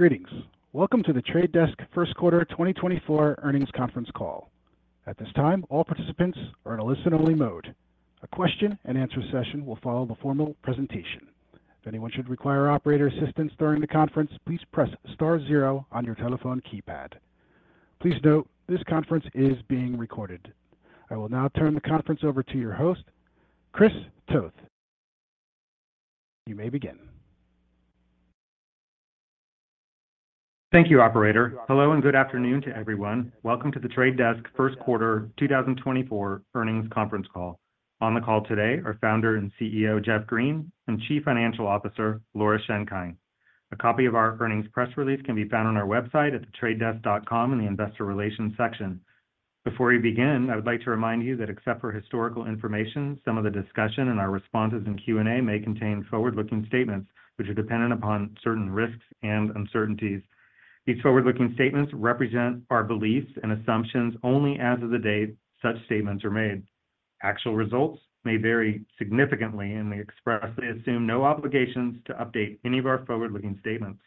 Greetings. Welcome to The Trade Desk First Quarter 2024 Earnings Conference Call. At this time, all participants are in a listen-only mode. A question-and-answer session will follow the formal presentation. If anyone should require operator assistance during the conference, please press star 0 on your telephone keypad. Please note, this conference is being recorded. I will now turn the conference over to your host, Chris Toth. You may begin. Thank you, operator. Hello and good afternoon to everyone. Welcome to The Trade Desk first quarter 2024 earnings conference call. On the call today are founder and CEO Jeff Green and Chief Financial Officer Laura Schenkein. A copy of our earnings press release can be found on our website at thetradedesk.com in the investor relations section. Before we begin, I would like to remind you that except for historical information, some of the discussion and our responses in Q&A may contain forward-looking statements which are dependent upon certain risks and uncertainties. These forward-looking statements represent our beliefs and assumptions only as of the date such statements are made. Actual results may vary significantly, and we expressly assume no obligations to update any of our forward-looking statements.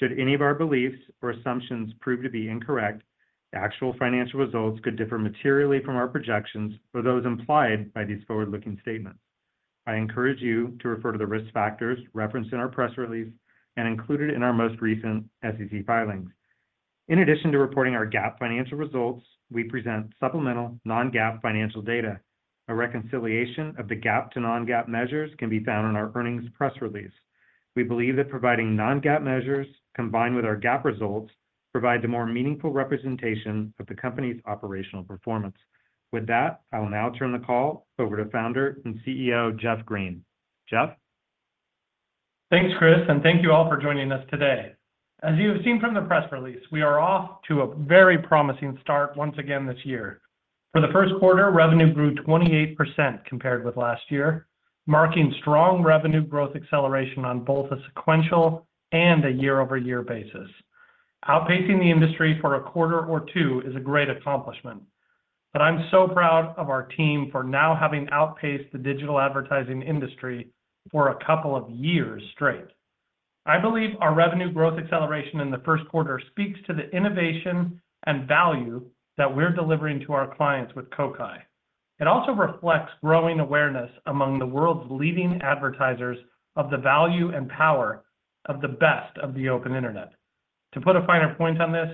Should any of our beliefs or assumptions prove to be incorrect, actual financial results could differ materially from our projections or those implied by these forward-looking statements. I encourage you to refer to the risk factors referenced in our press release and included in our most recent SEC filings. In addition to reporting our GAAP financial results, we present supplemental non-GAAP financial data. A reconciliation of the GAAP-to-non-GAAP measures can be found in our earnings press release. We believe that providing non-GAAP measures combined with our GAAP results provide a more meaningful representation of the company's operational performance. With that, I will now turn the call over to Founder and CEO Jeff Green. Jeff? Thanks, Chris, and thank you all for joining us today. As you have seen from the press release, we are off to a very promising start once again this year. For the first quarter, revenue grew 28% compared with last year, marking strong revenue growth acceleration on both a sequential and a year-over-year basis. Outpacing the industry for a quarter or two is a great accomplishment, but I'm so proud of our team for now having outpaced the digital advertising industry for a couple of years straight. I believe our revenue growth acceleration in the first quarter speaks to the innovation and value that we're delivering to our clients with Kokai. It also reflects growing awareness among the world's leading advertisers of the value and power of the best of the open internet. To put a finer point on this,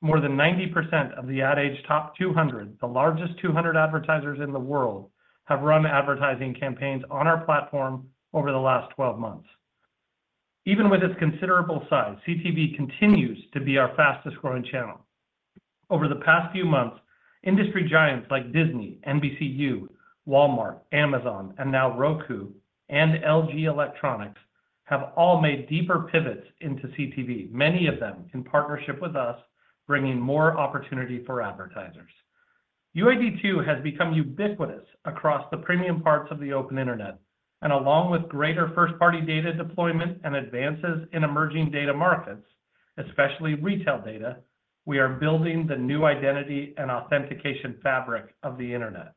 more than 90% of the AdAge Top 200, the largest 200 advertisers in the world, have run advertising campaigns on our platform over the last 12 months. Even with its considerable size, CTV continues to be our fastest-growing channel. Over the past few months, industry giants like Disney, NBCU, Walmart, Amazon, and now Roku, and LG Electronics have all made deeper pivots into CTV, many of them in partnership with us bringing more opportunity for advertisers. UID2 has become ubiquitous across the premium parts of the open internet, and along with greater first-party data deployment and advances in emerging data markets, especially retail data, we are building the new identity and authentication fabric of the internet.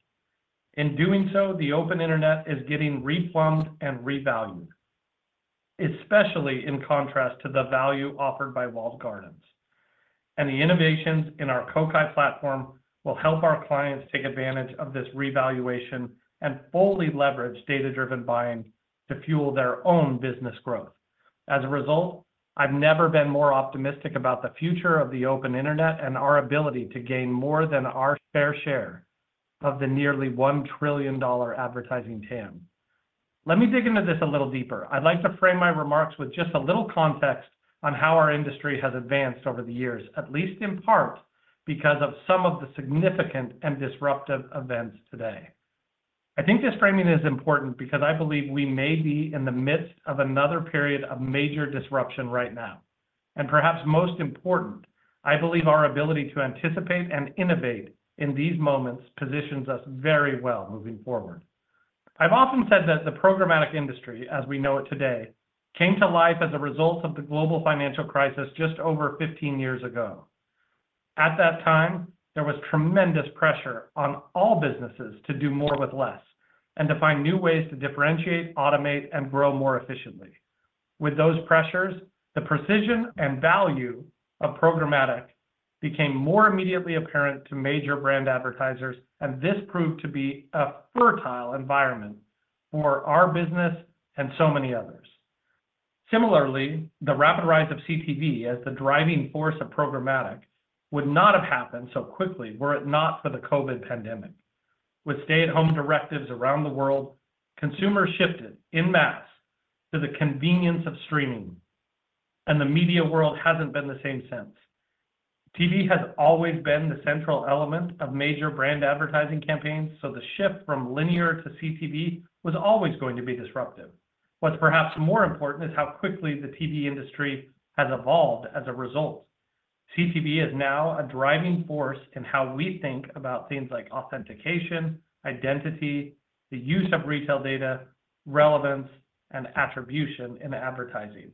In doing so, the open internet is getting replumbed and revalued, especially in contrast to the value offered by walled gardens. The innovations in our Kokai platform will help our clients take advantage of this revaluation and fully leverage data-driven buying to fuel their own business growth. As a result, I've never been more optimistic about the future of the open internet and our ability to gain more than our fair share of the nearly $1 trillion advertising TAM. Let me dig into this a little deeper. I'd like to frame my remarks with just a little context on how our industry has advanced over the years, at least in part because of some of the significant and disruptive events today. I think this framing is important because I believe we may be in the midst of another period of major disruption right now. Perhaps most important, I believe our ability to anticipate and innovate in these moments positions us very well moving forward. I've often said that the programmatic industry, as we know it today, came to life as a result of the global financial crisis just over 15 years ago. At that time, there was tremendous pressure on all businesses to do more with less and to find new ways to differentiate, automate, and grow more efficiently. With those pressures, the precision and value of programmatic became more immediately apparent to major brand advertisers, and this proved to be a fertile environment for our business and so many others. Similarly, the rapid rise of CTV as the driving force of programmatic would not have happened so quickly were it not for the COVID pandemic. With stay-at-home directives around the world, consumers shifted en masse to the convenience of streaming, and the media world hasn't been the same since. TV has always been the central element of major brand advertising campaigns, so the shift from Linear TV to CTV was always going to be disruptive. What's perhaps more important is how quickly the TV industry has evolved as a result. CTV is now a driving force in how we think about things like authentication, identity, the use of retail data, relevance, and attribution in advertising.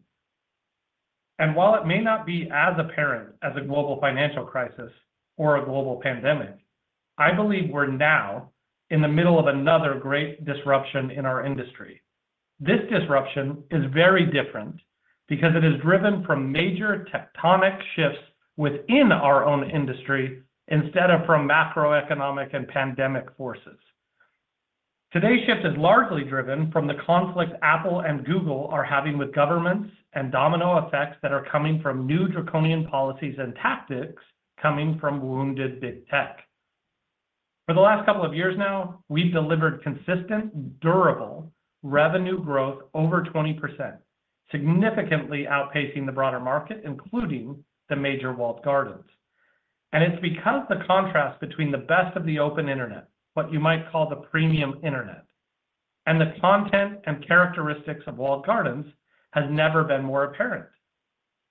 And while it may not be as apparent as a global financial crisis or a global pandemic, I believe we're now in the middle of another great disruption in our industry. This disruption is very different because it is driven from major tectonic shifts within our own industry instead of from macroeconomic and pandemic forces. Today's shift is largely driven from the conflicts Apple and Google are having with governments and domino effects that are coming from new draconian policies and tactics coming from wounded Big Tech. For the last couple of years now, we've delivered consistent, durable revenue growth over 20%, significantly outpacing the broader market, including the major Walled Gardens. It's because the contrast between the best of the open internet, what you might call the Premium Internet, and the content and characteristics of Walled Gardens has never been more apparent.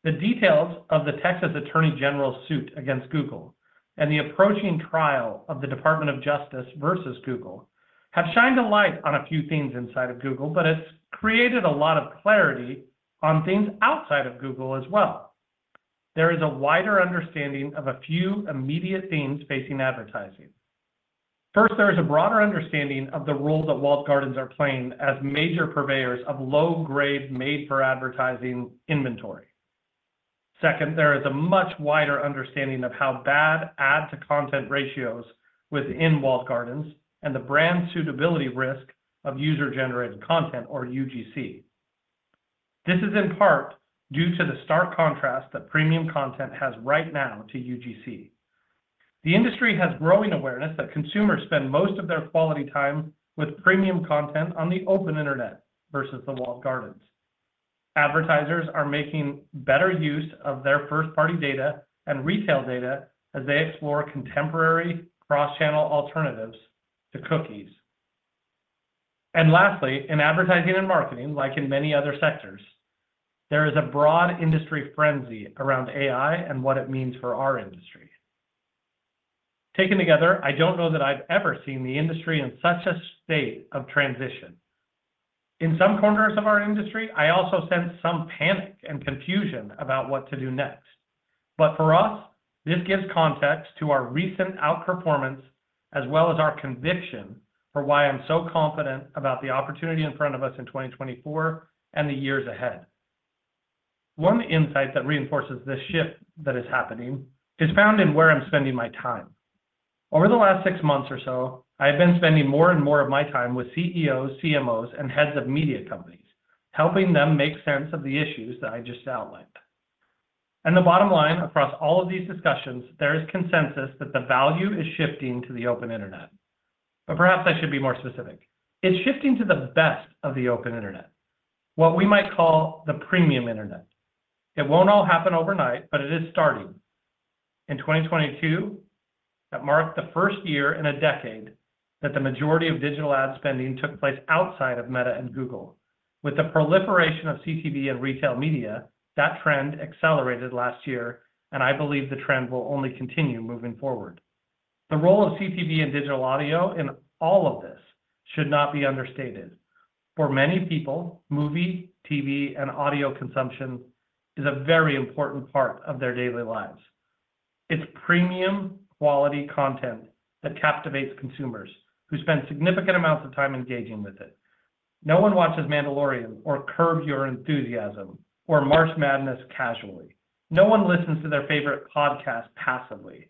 The details of the Texas Attorney General's suit against Google and the approaching trial of the Department of Justice versus Google have shined a light on a few themes inside of Google, but it's created a lot of clarity on things outside of Google as well. There is a wider understanding of a few immediate themes facing advertising. First, there is a broader understanding of the role that Walled Gardens are playing as major purveyors of low-grade made-for-advertising inventory. Second, there is a much wider understanding of how bad ad-to-content ratios within Walled Gardens and the brand suitability risk of user-generated content, or UGC. This is in part due to the stark contrast that premium content has right now to UGC. The industry has growing awareness that consumers spend most of their quality time with premium content on the open internet versus the Walled Gardens. Advertisers are making better use of their first-party data and retail data as they explore contemporary cross-channel alternatives to cookies. And lastly, in advertising and marketing, like in many other sectors, there is a broad industry frenzy around AI and what it means for our industry. Taken together, I don't know that I've ever seen the industry in such a state of transition. In some corners of our industry, I also sense some panic and confusion about what to do next. But for us, this gives context to our recent outperformance as well as our conviction for why I'm so confident about the opportunity in front of us in 2024 and the years ahead. One insight that reinforces this shift that is happening is found in where I'm spending my time. Over the last six months or so, I have been spending more and more of my time with CEOs, CMOs, and heads of media companies, helping them make sense of the issues that I just outlined. And the bottom line, across all of these discussions, there is consensus that the value is shifting to the open internet. But perhaps I should be more specific. It's shifting to the best of the open internet, what we might call the premium internet. It won't all happen overnight, but it is starting. In 2022, that marked the first year in a decade that the majority of digital ad spending took place outside of Meta and Google. With the proliferation of CTV and retail media, that trend accelerated last year, and I believe the trend will only continue moving forward. The role of CTV and digital audio in all of this should not be understated. For many people, movie, TV, and audio consumption is a very important part of their daily lives. It's premium quality content that captivates consumers who spend significant amounts of time engaging with it. No one watches Mandalorian or Curb Your Enthusiasm or March Madness casually. No one listens to their favorite podcast passively.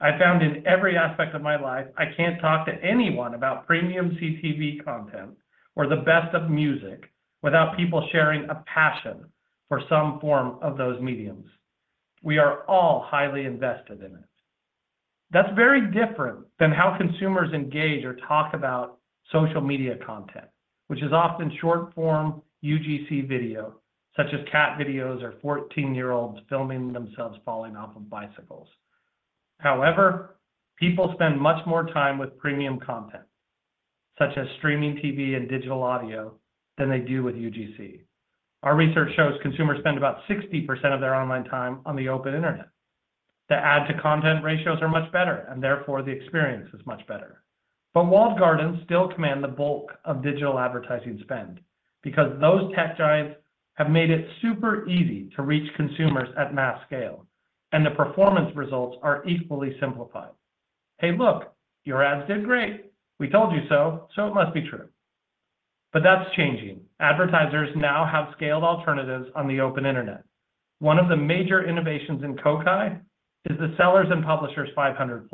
I found in every aspect of my life, I can't talk to anyone about premium CTV content or the best of music without people sharing a passion for some form of those mediums. We are all highly invested in it. That's very different than how consumers engage or talk about social media content, which is often short-form UGC video such as cat videos or 14-year-olds filming themselves falling off of bicycles. However, people spend much more time with premium content, such as streaming TV and digital audio, than they do with UGC. Our research shows consumers spend about 60% of their online time on the open internet. The ad-to-content ratios are much better, and therefore the experience is much better. But Walled Gardens still command the bulk of digital advertising spend because those tech giants have made it super easy to reach consumers at mass scale, and the performance results are equally simplified. Hey, look, your ads did great. We told you so, so it must be true. But that's changing. Advertisers now have scaled alternatives on the open internet. One of the major innovations in Kokai is the Sellers and Publishers 500+.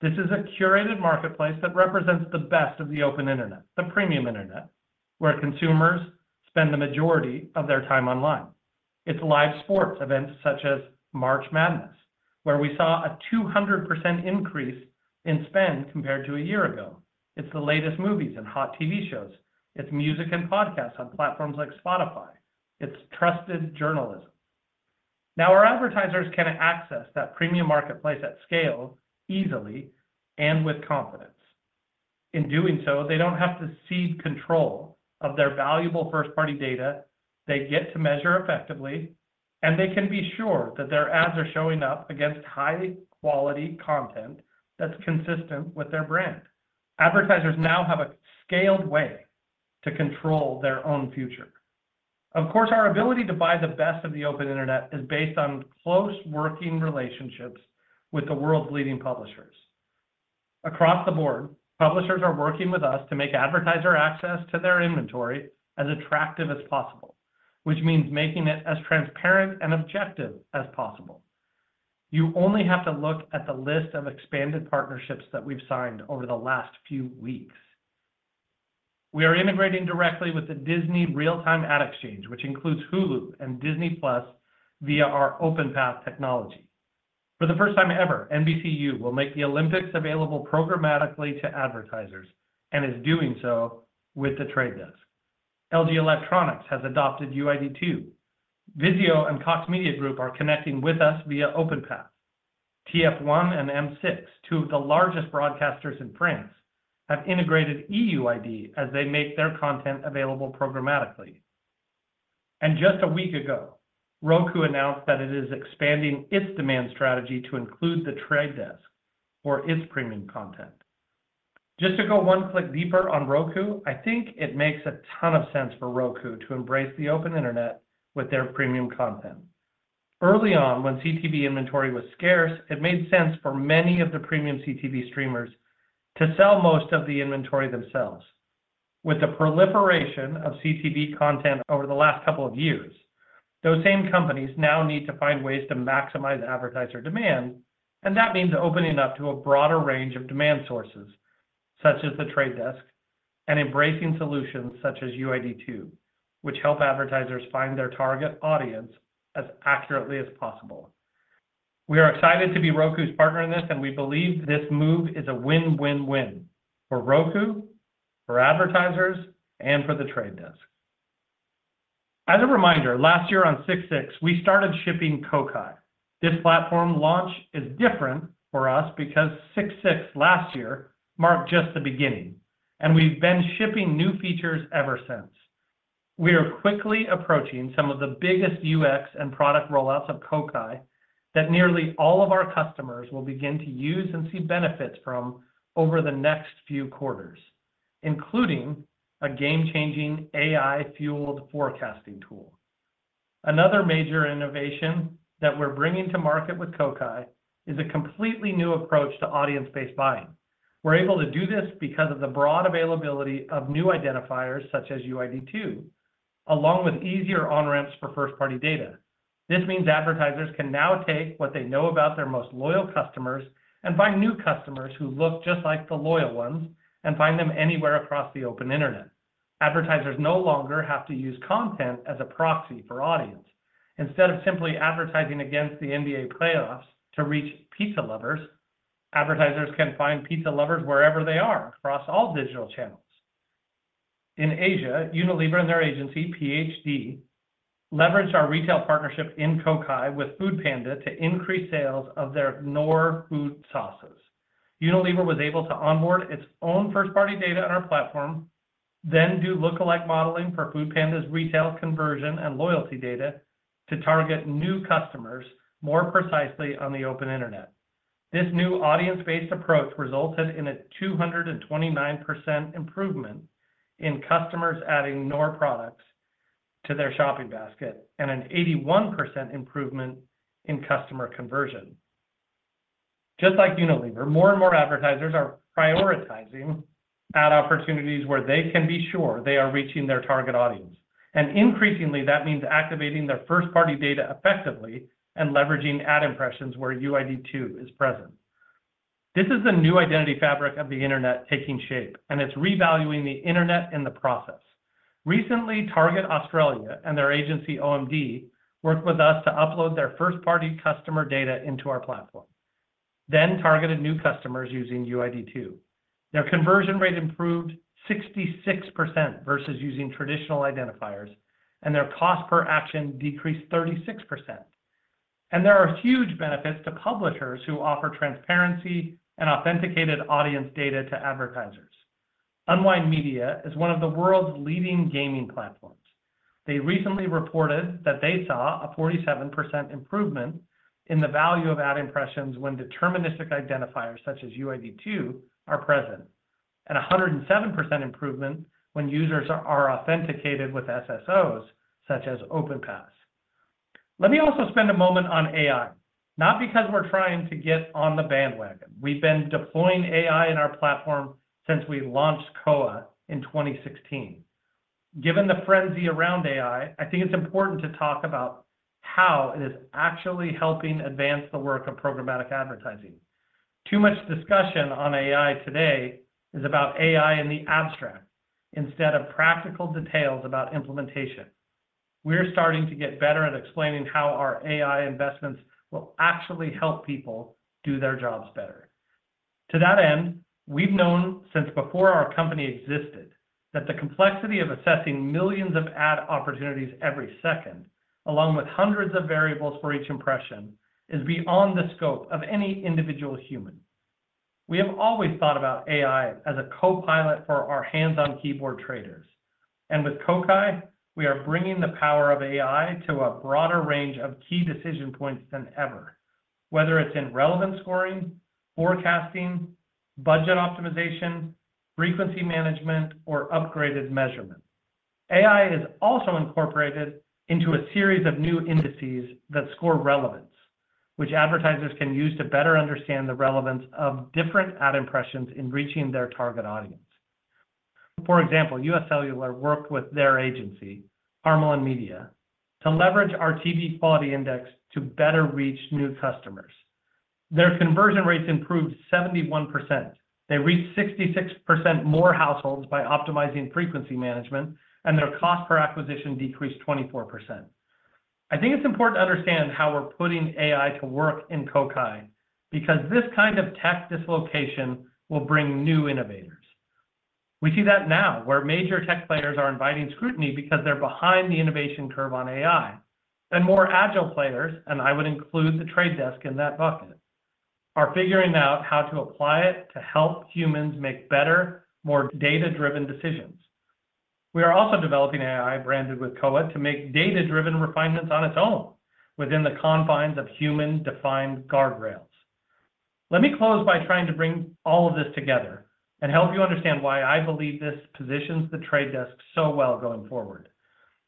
This is a curated marketplace that represents the best of the open internet, the premium internet, where consumers spend the majority of their time online. It's live sports events such as March Madness, where we saw a 200% increase in spend compared to a year ago. It's the latest movies and hot TV shows. It's music and podcasts on platforms like Spotify. It's trusted journalism. Now, our advertisers can access that premium marketplace at scale easily and with confidence. In doing so, they don't have to cede control of their valuable first-party data. They get to measure effectively, and they can be sure that their ads are showing up against high-quality content that's consistent with their brand. Advertisers now have a scaled way to control their own future. Of course, our ability to buy the best of the open internet is based on close working relationships with the world's leading publishers. Across the board, publishers are working with us to make advertiser access to their inventory as attractive as possible, which means making it as transparent and objective as possible. You only have to look at the list of expanded partnerships that we've signed over the last few weeks. We are integrating directly with the Disney Real-Time Ad Exchange, which includes Hulu and Disney+ via our OpenPath technology. For the first time ever, NBCU will make the Olympics available programmatically to advertisers and is doing so with The Trade Desk. LG Electronics has adopted UID2. Vizio and Cox Media Group are connecting with us via OpenPath. TF1 and M6, two of the largest broadcasters in France, have integrated eUID as they make their content available programmatically. And just a week ago, Roku announced that it is expanding its demand strategy to include The Trade Desk for its premium content. Just to go one click deeper on Roku, I think it makes a ton of sense for Roku to embrace the open internet with their premium content. Early on, when CTV inventory was scarce, it made sense for many of the premium CTV streamers to sell most of the inventory themselves. With the proliferation of CTV content over the last couple of years, those same companies now need to find ways to maximize advertiser demand, and that means opening up to a broader range of demand sources such as The Trade Desk and embracing solutions such as UID2, which help advertisers find their target audience as accurately as possible. We are excited to be Roku's partner in this, and we believe this move is a win-win-win for Roku, for advertisers, and for The Trade Desk. As a reminder, last year on 6/6, we started shipping Kokai. This platform launch is different for us because 6/6 last year marked just the beginning, and we've been shipping new features ever since. We are quickly approaching some of the biggest UX and product rollouts of Kokai that nearly all of our customers will begin to use and see benefits from over the next few quarters, including a game-changing AI-fueled forecasting tool. Another major innovation that we're bringing to market with Kokai is a completely new approach to audience-based buying. We're able to do this because of the broad availability of new identifiers such as UID2, along with easier on-ramps for first-party data. This means advertisers can now take what they know about their most loyal customers and find new customers who look just like the loyal ones and find them anywhere across the open internet. Advertisers no longer have to use content as a proxy for audience. Instead of simply advertising against the NBA playoffs to reach pizza lovers, advertisers can find pizza lovers wherever they are across all digital channels. In Asia, Unilever and their agency, PHD, leveraged our retail partnership in Kokai with foodpanda to increase sales of their Knorr food sauces. Unilever was able to onboard its own first-party data on our platform, then do lookalike modeling for foodpanda's retail conversion and loyalty data to target new customers more precisely on the open internet. This new audience-based approach resulted in a 229% improvement in customers adding Knorr products to their shopping basket and an 81% improvement in customer conversion. Just like Unilever, more and more advertisers are prioritizing ad opportunities where they can be sure they are reaching their target audience. And increasingly, that means activating their first-party data effectively and leveraging ad impressions where UID2 is present. This is the new identity fabric of the internet taking shape, and it's revaluing the internet in the process. Recently, Target Australia and their agency, OMD, worked with us to upload their first-party customer data into our platform, then targeted new customers using UID2. Their conversion rate improved 66% versus using traditional identifiers, and their cost per action decreased 36%. There are huge benefits to publishers who offer transparency and authenticated audience data to advertisers. Unwind Media is one of the world's leading gaming platforms. They recently reported that they saw a 47% improvement in the value of ad impressions when deterministic identifiers such as UID2 are present, and a 107% improvement when users are authenticated with SSOs such as OpenPath. Let me also spend a moment on AI, not because we're trying to get on the bandwagon. We've been deploying AI in our platform since we launched Koa in 2016. Given the frenzy around AI, I think it's important to talk about how it is actually helping advance the work of programmatic advertising. Too much discussion on AI today is about AI in the abstract instead of practical details about implementation. We're starting to get better at explaining how our AI investments will actually help people do their jobs better. To that end, we've known since before our company existed that the complexity of assessing millions of ad opportunities every second, along with hundreds of variables for each impression, is beyond the scope of any individual human. We have always thought about AI as a co-pilot for our hands-on keyboard traders. With Kokai, we are bringing the power of AI to a broader range of key decision points than ever, whether it's in relevance scoring, forecasting, budget optimization, frequency management, or upgraded measurement. AI is also incorporated into a series of new indices that score relevance, which advertisers can use to better understand the relevance of different ad impressions in reaching their target audience. For example, UScellular worked with their agency, Harmelin Media, to leverage our TV Quality Index to better reach new customers. Their conversion rates improved 71%. They reached 66% more households by optimizing frequency management, and their cost per acquisition decreased 24%. I think it's important to understand how we're putting AI to work in Kokai because this kind of tech dislocation will bring new innovators. We see that now, where major tech players are inviting scrutiny because they're behind the innovation curve on AI, and more agile players, and I would include The Trade Desk in that bucket, are figuring out how to apply it to help humans make better, more data-driven decisions. We are also developing AI branded with Koa to make data-driven refinements on its own within the confines of human-defined guardrails. Let me close by trying to bring all of this together and help you understand why I believe this positions The Trade Desk so well going forward.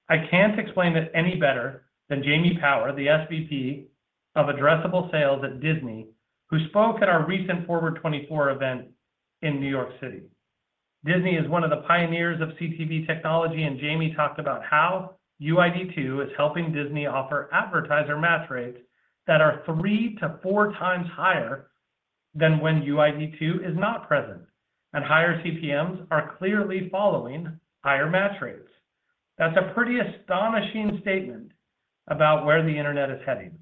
I can't explain it any better than Jamie Power, the SVP of Addressable Sales at Disney, who spoke at our recent Forward 2024 event in New York City. Disney is one of the pioneers of CTV technology, and Jamie talked about how UID2 is helping Disney offer advertiser match rates that are 3-4 times higher than when UID2 is not present. And higher CPMs are clearly following higher match rates. That's a pretty astonishing statement about where the internet is heading.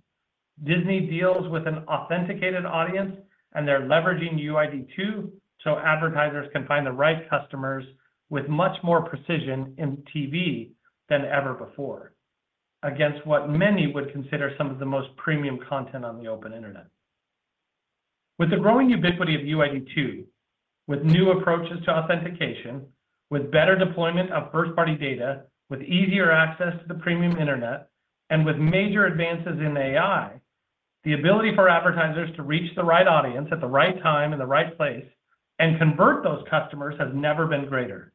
Disney deals with an authenticated audience, and they're leveraging UID2 so advertisers can find the right customers with much more precision in TV than ever before against what many would consider some of the most premium content on the open internet. With the growing ubiquity of UID2, with new approaches to authentication, with better deployment of first-party data, with easier access to the premium internet, and with major advances in AI, the ability for advertisers to reach the right audience at the right time and the right place and convert those customers has never been greater.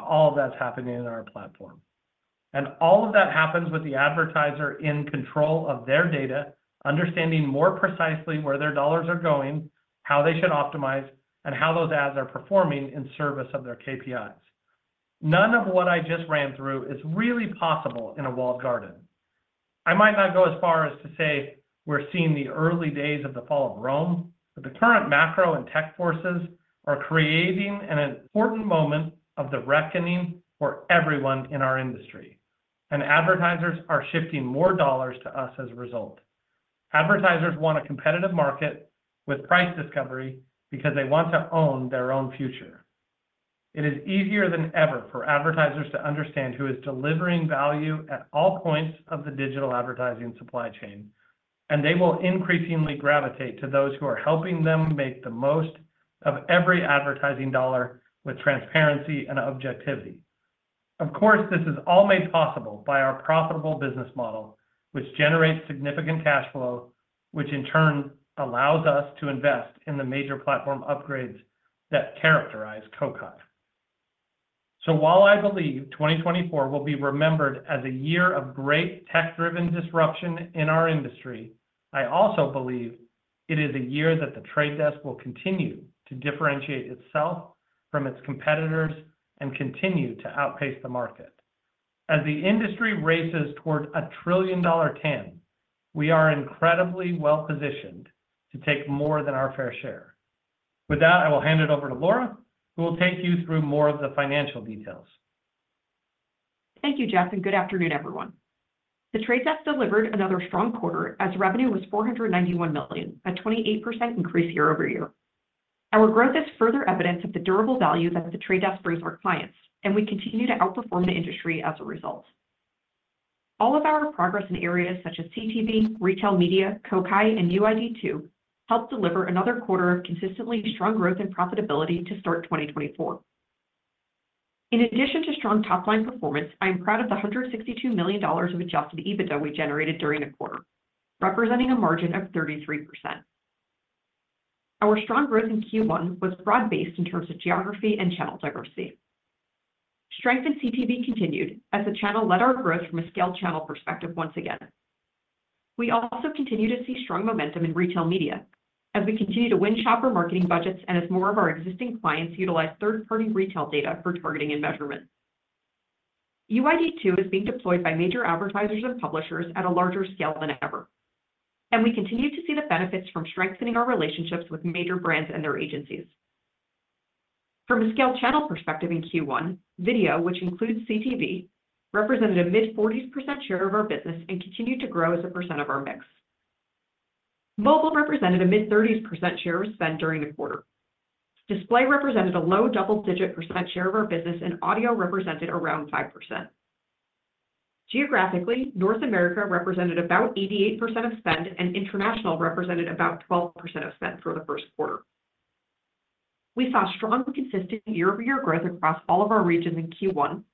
All of that's happening in our platform. All of that happens with the advertiser in control of their data, understanding more precisely where their dollars are going, how they should optimize, and how those ads are performing in service of their KPIs. None of what I just ran through is really possible in a walled garden. I might not go as far as to say we're seeing the early days of the fall of Rome, but the current macro and tech forces are creating an important moment of the reckoning for everyone in our industry. Advertisers are shifting more dollars to us as a result. Advertisers want a competitive market with price discovery because they want to own their own future. It is easier than ever for advertisers to understand who is delivering value at all points of the digital advertising supply chain, and they will increasingly gravitate to those who are helping them make the most of every advertising dollar with transparency and objectivity. Of course, this is all made possible by our profitable business model, which generates significant cash flow, which in turn allows us to invest in the major platform upgrades that characterize Kokai. So while I believe 2024 will be remembered as a year of great tech-driven disruption in our industry, I also believe it is a year that The Trade Desk will continue to differentiate itself from its competitors and continue to outpace the market. As the industry races toward a trillion-dollar TAM, we are incredibly well-positioned to take more than our fair share. With that, I will hand it over to Laura, who will take you through more of the financial details. Thank you, Jeff, and good afternoon, everyone. The Trade Desk delivered another strong quarter as revenue was $491 million, a 28% increase year-over-year. Our growth is further evidence of the durable value that the Trade Desk brings our clients, and we continue to outperform the industry as a result. All of our progress in areas such as CTV, retail media, Kokai, and UID2 helped deliver another quarter of consistently strong growth and profitability to start 2024. In addition to strong top-line performance, I am proud of the $162 million of adjusted EBITDA we generated during the quarter, representing a margin of 33%. Our strong growth in Q1 was broad-based in terms of geography and channel diversity. Strength in CTV continued as the channel led our growth from a scaled channel perspective once again. We also continue to see strong momentum in retail media as we continue to win shopper marketing budgets and as more of our existing clients utilize third-party retail data for targeting and measurement. UID2 is being deployed by major advertisers and publishers at a larger scale than ever, and we continue to see the benefits from strengthening our relationships with major brands and their agencies. From a scaled channel perspective in Q1, video, which includes CTV, represented a mid-40% share of our business and continued to grow as a percent of our mix. Mobile represented a mid-30% share of spend during the quarter. Display represented a low double-digit % share of our business, and audio represented around 5%. Geographically, North America represented about 88% of spend, and international represented about 12% of spend for the first quarter. We saw strong, consistent year-over-year growth across all of our regions in Q1,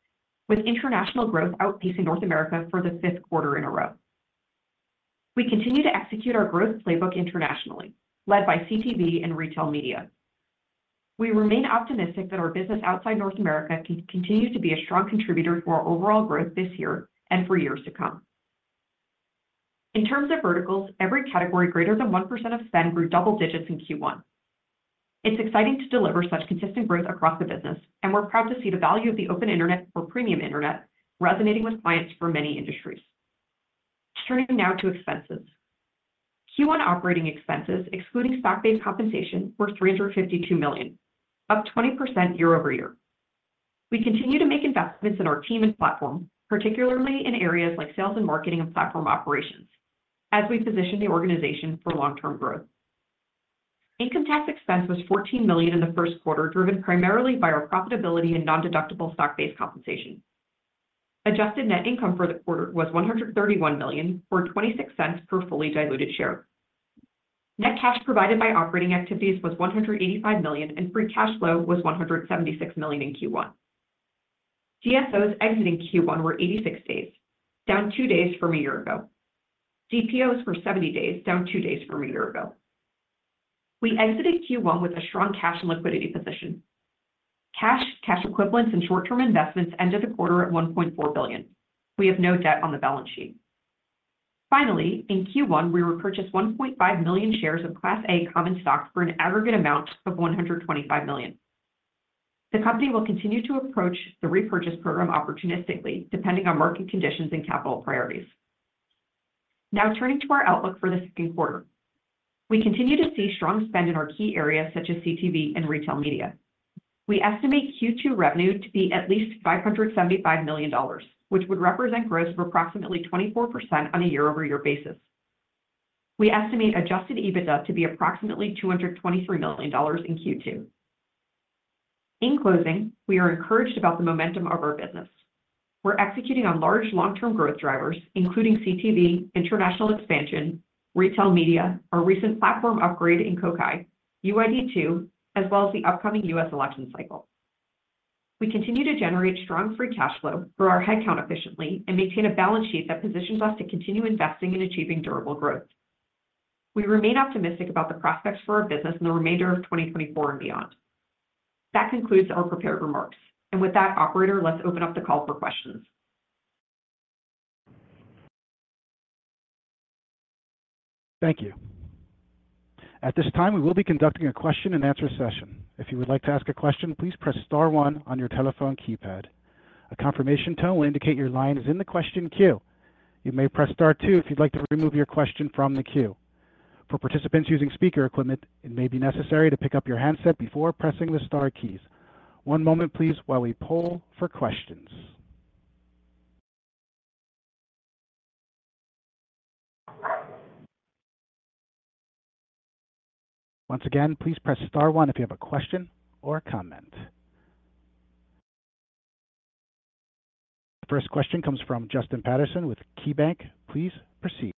with international growth outpacing North America for the fifth quarter in a row. We continue to execute our growth playbook internationally, led by CTV and retail media. We remain optimistic that our business outside North America can continue to be a strong contributor to our overall growth this year and for years to come. In terms of verticals, every category greater than 1% of spend grew double digits in Q1. It's exciting to deliver such consistent growth across the business, and we're proud to see the value of the open internet or premium internet resonating with clients for many industries. Turning now to expenses. Q1 operating expenses, excluding stock-based compensation, were $352 million, up 20% year-over-year. We continue to make investments in our team and platform, particularly in areas like sales and marketing and platform operations, as we position the organization for long-term growth. Income tax expense was $14 million in the first quarter, driven primarily by our profitability and non-deductible stock-based compensation. Adjusted net income for the quarter was $131 million or $0.26 per fully diluted share. Net cash provided by operating activities was $185 million, and free cash flow was $176 million in Q1. DSOs exiting Q1 were 86 days, down two days from a year ago. DPOs were 70 days, down two days from a year ago. We exited Q1 with a strong cash and liquidity position. Cash, cash equivalents, and short-term investments ended the quarter at $1.4 billion. We have no debt on the balance sheet. Finally, in Q1, we repurchased 1.5 million shares of Class A common stock for an aggregate amount of $125 million. The company will continue to approach the repurchase program opportunistically, depending on market conditions and capital priorities. Now turning to our outlook for the second quarter. We continue to see strong spend in our key areas such as CTV and retail media. We estimate Q2 revenue to be at least $575 million, which would represent growth of approximately 24% on a year-over-year basis. We estimate adjusted EBITDA to be approximately $223 million in Q2. In closing, we are encouraged about the momentum of our business. We're executing on large long-term growth drivers, including CTV, international expansion, retail media, our recent platform upgrade in Kokai, UID2, as well as the upcoming U.S. election cycle. We continue to generate strong free cash flow for our headcount efficiently and maintain a balance sheet that positions us to continue investing and achieving durable growth. We remain optimistic about the prospects for our business in the remainder of 2024 and beyond. That concludes our prepared remarks. And with that, operator, let's open up the call for questions. Thank you. At this time, we will be conducting a question-and-answer session. If you would like to ask a question, please press star one on your telephone keypad. A confirmation tone will indicate your line is in the question queue. You may press star two if you'd like to remove your question from the queue. For participants using speaker equipment, it may be necessary to pick up your handset before pressing the star keys. One moment, please, while we poll for questions. Once again, please press star one if you have a question or a comment. First question comes from Justin Patterson with KeyBanc. Please proceed.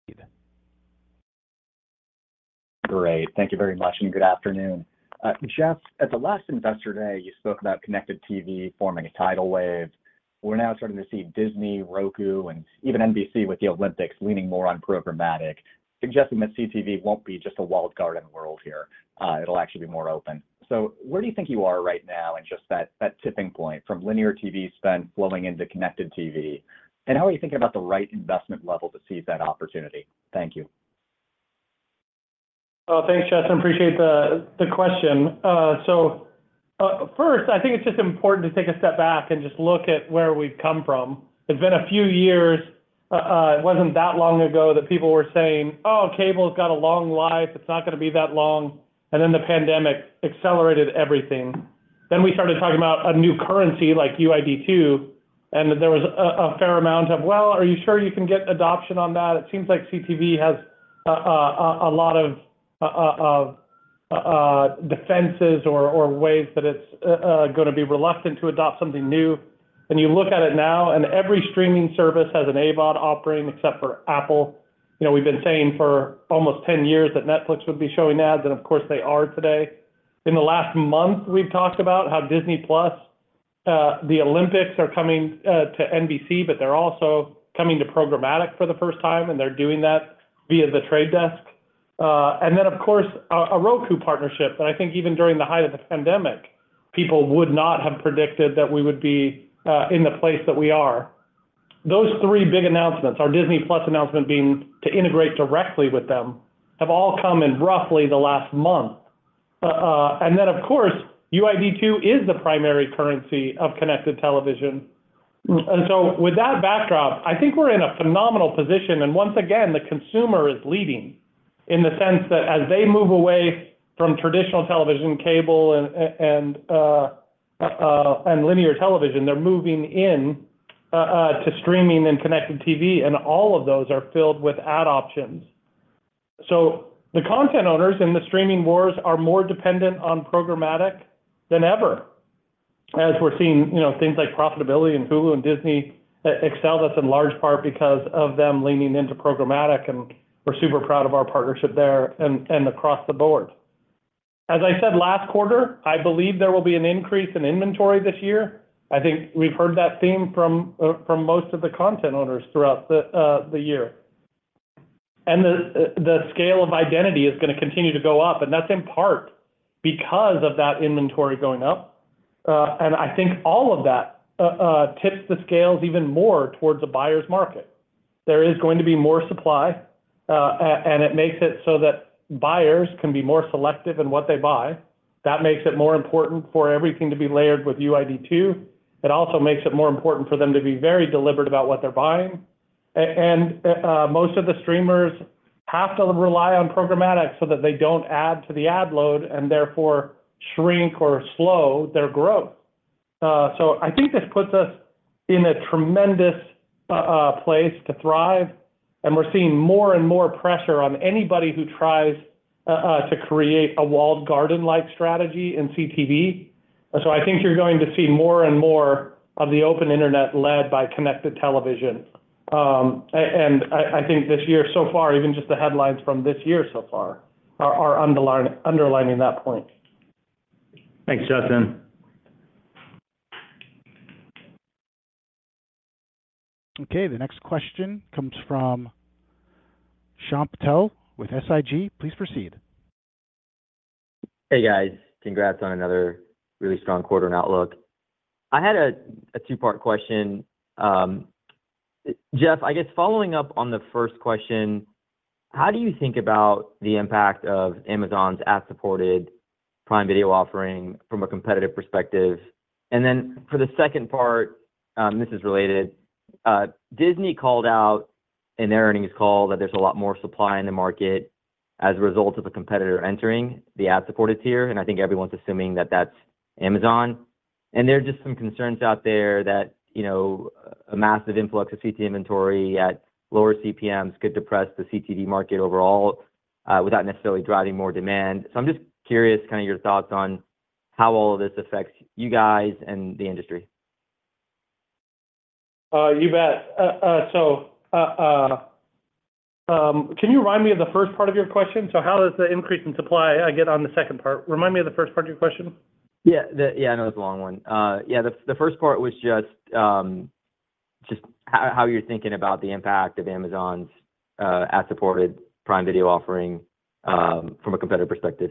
Great. Thank you very much, and good afternoon. Jeff, at the last investor day, you spoke about connected TV forming a tidal wave. We're now starting to see Disney, Roku, and even NBC with the Olympics leaning more on programmatic, suggesting that CTV won't be just a walled garden world here. It'll actually be more open. So where do you think you are right now in just that tipping point from linear TV spend flowing into connected TV? And how are you thinking about the right investment level to seize that opportunity? Thank you. Thanks, Jeff. I appreciate the question. So first, I think it's just important to take a step back and just look at where we've come from. It's been a few years. It wasn't that long ago that people were saying, "Oh, cable's got a long life. It's not going to be that long." And then the pandemic accelerated everything. Then we started talking about a new currency like UID2, and there was a fair amount of, "Well, are you sure you can get adoption on that?" It seems like CTV has a lot of defenses or ways that it's going to be reluctant to adopt something new. And you look at it now, and every streaming service has an AVOD offering except for Apple. We've been saying for almost 10 years that Netflix would be showing ads, and of course, they are today. In the last month, we've talked about how Disney+, the Olympics are coming to NBC, but they're also coming to programmatic for the first time, and they're doing that via The Trade Desk. And then, of course, a Roku partnership that I think even during the height of the pandemic, people would not have predicted that we would be in the place that we are. Those three big announcements, our Disney+ announcement being to integrate directly with them, have all come in roughly the last month. And then, of course, UID2 is the primary currency of connected television. And so with that backdrop, I think we're in a phenomenal position. And once again, the consumer is leading in the sense that as they move away from traditional television, cable, and linear television, they're moving in to streaming and connected TV. And all of those are filled with ad options. So the content owners in the streaming wars are more dependent on programmatic than ever, as we're seeing things like profitability and Hulu and Disney excel in large part because of them leaning into programmatic. We're super proud of our partnership there and across the board. As I said last quarter, I believe there will be an increase in inventory this year. I think we've heard that theme from most of the content owners throughout the year. The scale of identity is going to continue to go up. That's in part because of that inventory going up. I think all of that tips the scales even more towards a buyer's market. There is going to be more supply, and it makes it so that buyers can be more selective in what they buy. That makes it more important for everything to be layered with UID2. It also makes it more important for them to be very deliberate about what they're buying. Most of the streamers have to rely on programmatic so that they don't add to the ad load and therefore shrink or slow their growth. I think this puts us in a tremendous place to thrive. We're seeing more and more pressure on anybody who tries to create a walled garden-like strategy in CTV. I think you're going to see more and more of the open internet led by connected television. I think this year, so far, even just the headlines from this year so far are underlining that point. Thanks, Justin. Okay. The next question comes from Shyam Patil with SIG. Please proceed. Hey, guys. Congrats on another really strong quarter and outlook. I had a two-part question. Jeff, I guess following up on the first question, how do you think about the impact of Amazon's ad-supported Prime Video offering from a competitive perspective? And then for the second part, and this is related, Disney called out in their earnings call that there's a lot more supply in the market as a result of a competitor entering the ad-supported tier. And I think everyone's assuming that that's Amazon. And there are just some concerns out there that a massive influx of CT inventory at lower CPMs could depress the CTV market overall without necessarily driving more demand. So I'm just curious kind of your thoughts on how all of this affects you guys and the industry. You bet. So can you remind me of the first part of your question? So how does the increase in supply get on the second part? Remind me of the first part of your question. Yeah. Yeah. I know it's a long one. Yeah. The first part was just how you're thinking about the impact of Amazon's ad-supported Prime Video offering from a competitive perspective.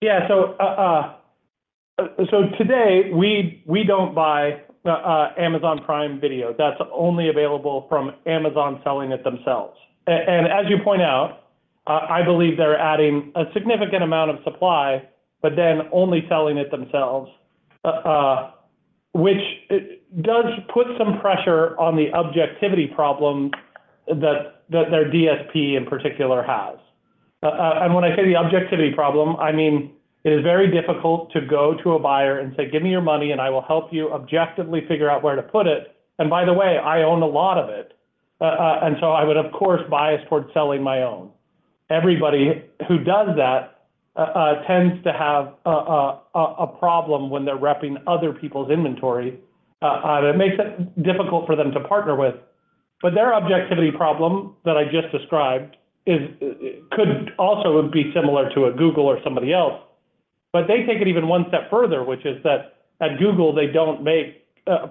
Yeah. So today, we don't buy Amazon Prime Video. That's only available from Amazon selling it themselves. And as you point out, I believe they're adding a significant amount of supply but then only selling it themselves, which does put some pressure on the objectivity problem that their DSP in particular has. And when I say the objectivity problem, I mean it is very difficult to go to a buyer and say, "Give me your money, and I will help you objectively figure out where to put it." And by the way, I own a lot of it. And so I would, of course, bias towards selling my own. Everybody who does that tends to have a problem when they're repping other people's inventory. And it makes it difficult for them to partner with. But their objectivity problem that I just described could also be similar to a Google or somebody else. But they take it even one step further, which is that at Google, they don't make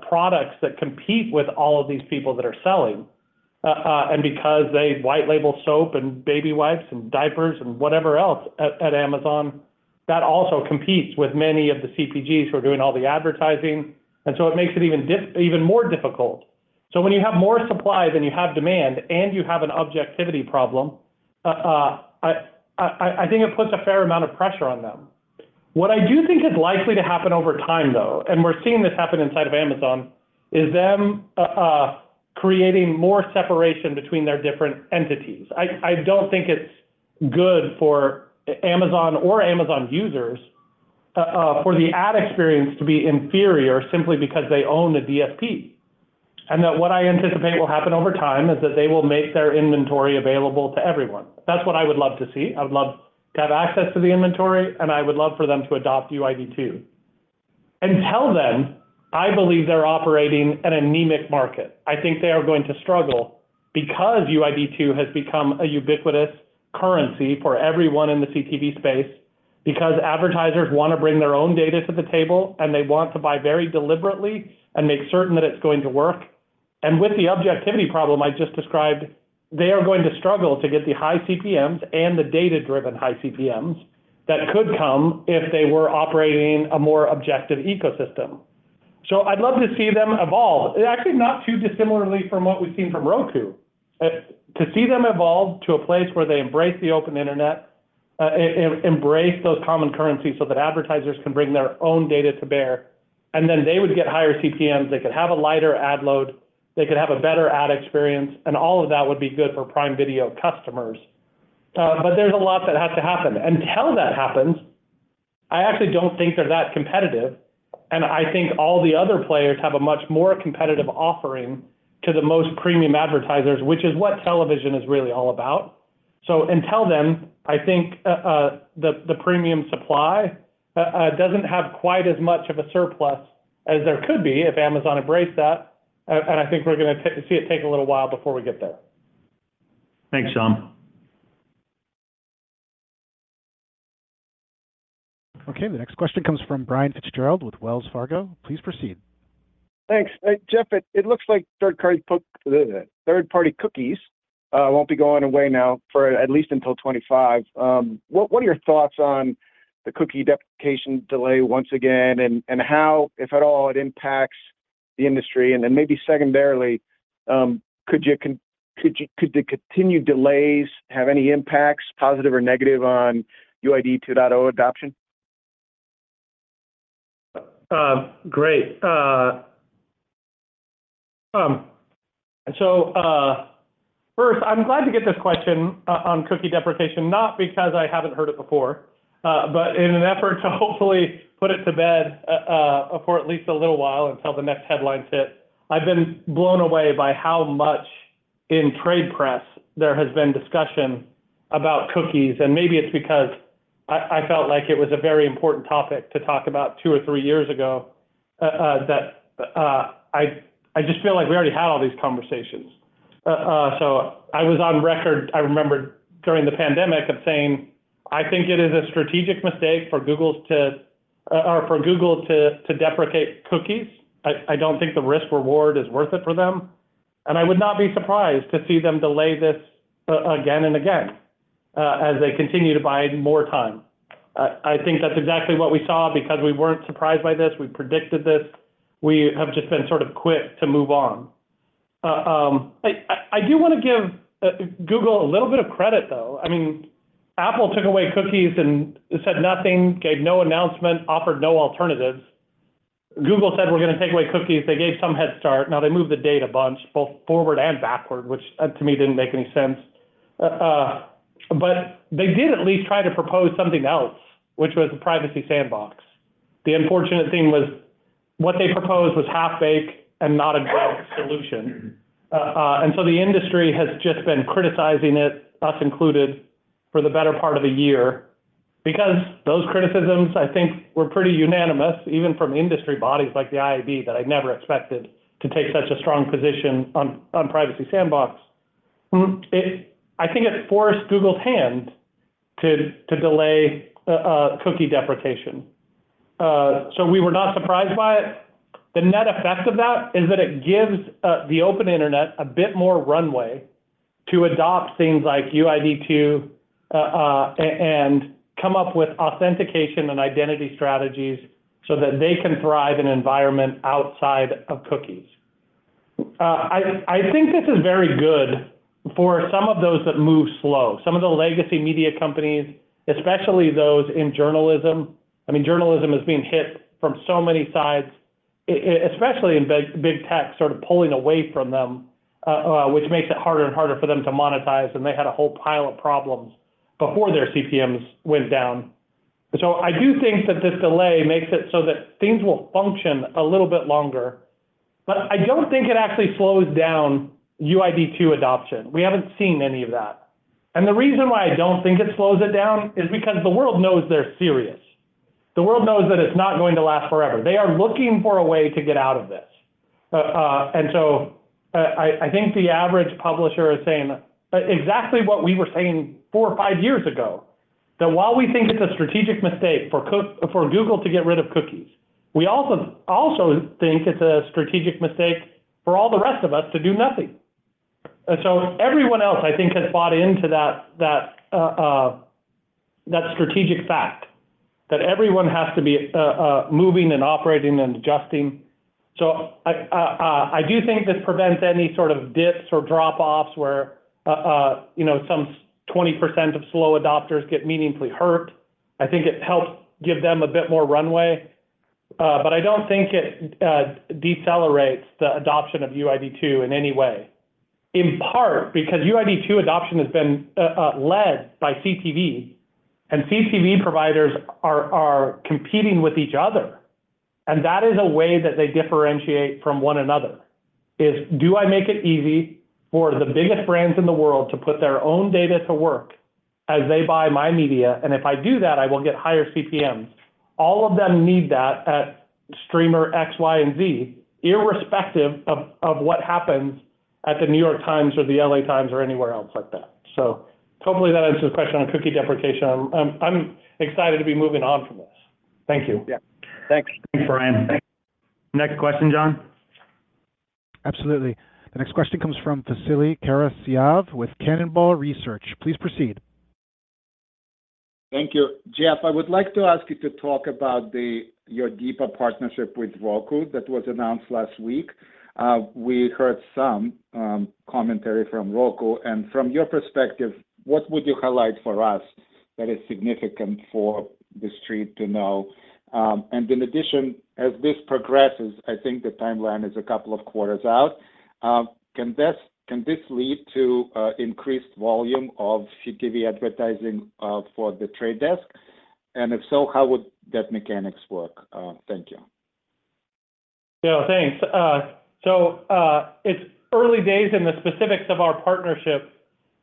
products that compete with all of these people that are selling. And because they white-label soap and baby wipes and diapers and whatever else at Amazon, that also competes with many of the CPGs who are doing all the advertising. And so it makes it even more difficult. So when you have more supply than you have demand and you have an objectivity problem, I think it puts a fair amount of pressure on them. What I do think is likely to happen over time, though, and we're seeing this happen inside of Amazon, is them creating more separation between their different entities. I don't think it's good for Amazon or Amazon users for the ad experience to be inferior simply because they own a DSP. That what I anticipate will happen over time is that they will make their inventory available to everyone. That's what I would love to see. I would love to have access to the inventory, and I would love for them to adopt UID2. Until then, I believe they're operating an anemic market. I think they are going to struggle because UID2 has become a ubiquitous currency for everyone in the CTV space because advertisers want to bring their own data to the table, and they want to buy very deliberately and make certain that it's going to work. With the objectivity problem I just described, they are going to struggle to get the high CPMs and the data-driven high CPMs that could come if they were operating a more objective ecosystem. So I'd love to see them evolve. Actually, not too dissimilarly from what we've seen from Roku. To see them evolve to a place where they embrace the open internet, embrace those common currencies so that advertisers can bring their own data to bear, and then they would get higher CPMs. They could have a lighter ad load. They could have a better ad experience. And all of that would be good for Prime Video customers. But there's a lot that has to happen. Until that happens, I actually don't think they're that competitive. I think all the other players have a much more competitive offering to the most premium advertisers, which is what television is really all about. Until then, I think the premium supply doesn't have quite as much of a surplus as there could be if Amazon embraces that. I think we're going to see it take a little while before we get there. Thanks, Shyam. Okay. The next question comes from Brian Fitzgerald with Wells Fargo. Please proceed. Thanks. Jeff, it looks like third-party cookies won't be going away now for at least until 2025. What are your thoughts on the cookie deprecation delay once again and how, if at all, it impacts the industry? And then maybe secondarily, could the continued delays have any impacts, positive or negative, on UID2.0 adoption? Great. So first, I'm glad to get this question on Cookie Deprecation, not because I haven't heard it before, but in an effort to hopefully put it to bed for at least a little while until the next headline hit. I've been blown away by how much in trade press there has been discussion about cookies. And maybe it's because I felt like it was a very important topic to talk about two or three years ago that I just feel like we already had all these conversations. So I was on record. I remember during the pandemic of saying, "I think it is a strategic mistake for Google to or for Google to deprecate cookies. I don't think the risk-reward is worth it for them." And I would not be surprised to see them delay this again and again as they continue to buy more time. I think that's exactly what we saw because we weren't surprised by this. We predicted this. We have just been sort of quick to move on. I do want to give Google a little bit of credit, though. I mean, Apple took away cookies and said nothing, gave no announcement, offered no alternatives. Google said, "We're going to take away cookies." They gave some headstart. Now, they moved the data a bunch, both forward and backward, which to me didn't make any sense. But they did at least try to propose something else, which was a Privacy Sandbox. The unfortunate thing was what they proposed was half-baked and not a great solution. And so the industry has just been criticizing it, us included, for the better part of a year because those criticisms, I think, were pretty unanimous, even from industry bodies like the IAB, that I never expected to take such a strong position on Privacy Sandbox. I think it forced Google's hand to delay cookie deprecation. So we were not surprised by it. The net effect of that is that it gives the open internet a bit more runway to adopt things like UID2 and come up with authentication and identity strategies so that they can thrive in an environment outside of cookies. I think this is very good for some of those that move slow, some of the legacy media companies, especially those in journalism. I mean, journalism is being hit from so many sides, especially in big tech, sort of pulling away from them, which makes it harder and harder for them to monetize. And they had a whole pile of problems before their CPMs went down. So I do think that this delay makes it so that things will function a little bit longer. But I don't think it actually slows down UID2 adoption. We haven't seen any of that. And the reason why I don't think it slows it down is because the world knows they're serious. The world knows that it's not going to last forever. They are looking for a way to get out of this. I think the average publisher is saying exactly what we were saying four or five years ago, that while we think it's a strategic mistake for Google to get rid of cookies, we also think it's a strategic mistake for all the rest of us to do nothing. Everyone else, I think, has bought into that strategic fact that everyone has to be moving and operating and adjusting. I do think this prevents any sort of dips or drop-offs where some 20% of slow adopters get meaningfully hurt. I think it helps give them a bit more runway. I don't think it decelerates the adoption of UID2 in any way, in part because UID2 adoption has been led by CTV. CTV providers are competing with each other. That is a way that they differentiate from one another: "Do I make it easy for the biggest brands in the world to put their own data to work as they buy my media? And if I do that, I will get higher CPMs." All of them need that at streamer X, Y, and Z, irrespective of what happens at the New York Times or the L.A. Times or anywhere else like that. So hopefully, that answers the question on cookie deprecation. I'm excited to be moving on from this. Thank you. Yeah. Thanks. Thanks, Brian. Next question, John. Absolutely. The next question comes from Vasily Karasyov with Cannonball Research. Please proceed. Thank you. Jeff, I would like to ask you to talk about your deeper partnership with Roku that was announced last week. We heard some commentary from Roku. And from your perspective, what would you highlight for us that is significant for the street to know? And in addition, as this progresses, I think the timeline is a couple of quarters out. Can this lead to increased volume of CTV advertising for The Trade Desk? And if so, how would that mechanics work? Thank you. Yeah. Thanks. So it's early days in the specifics of our partnership,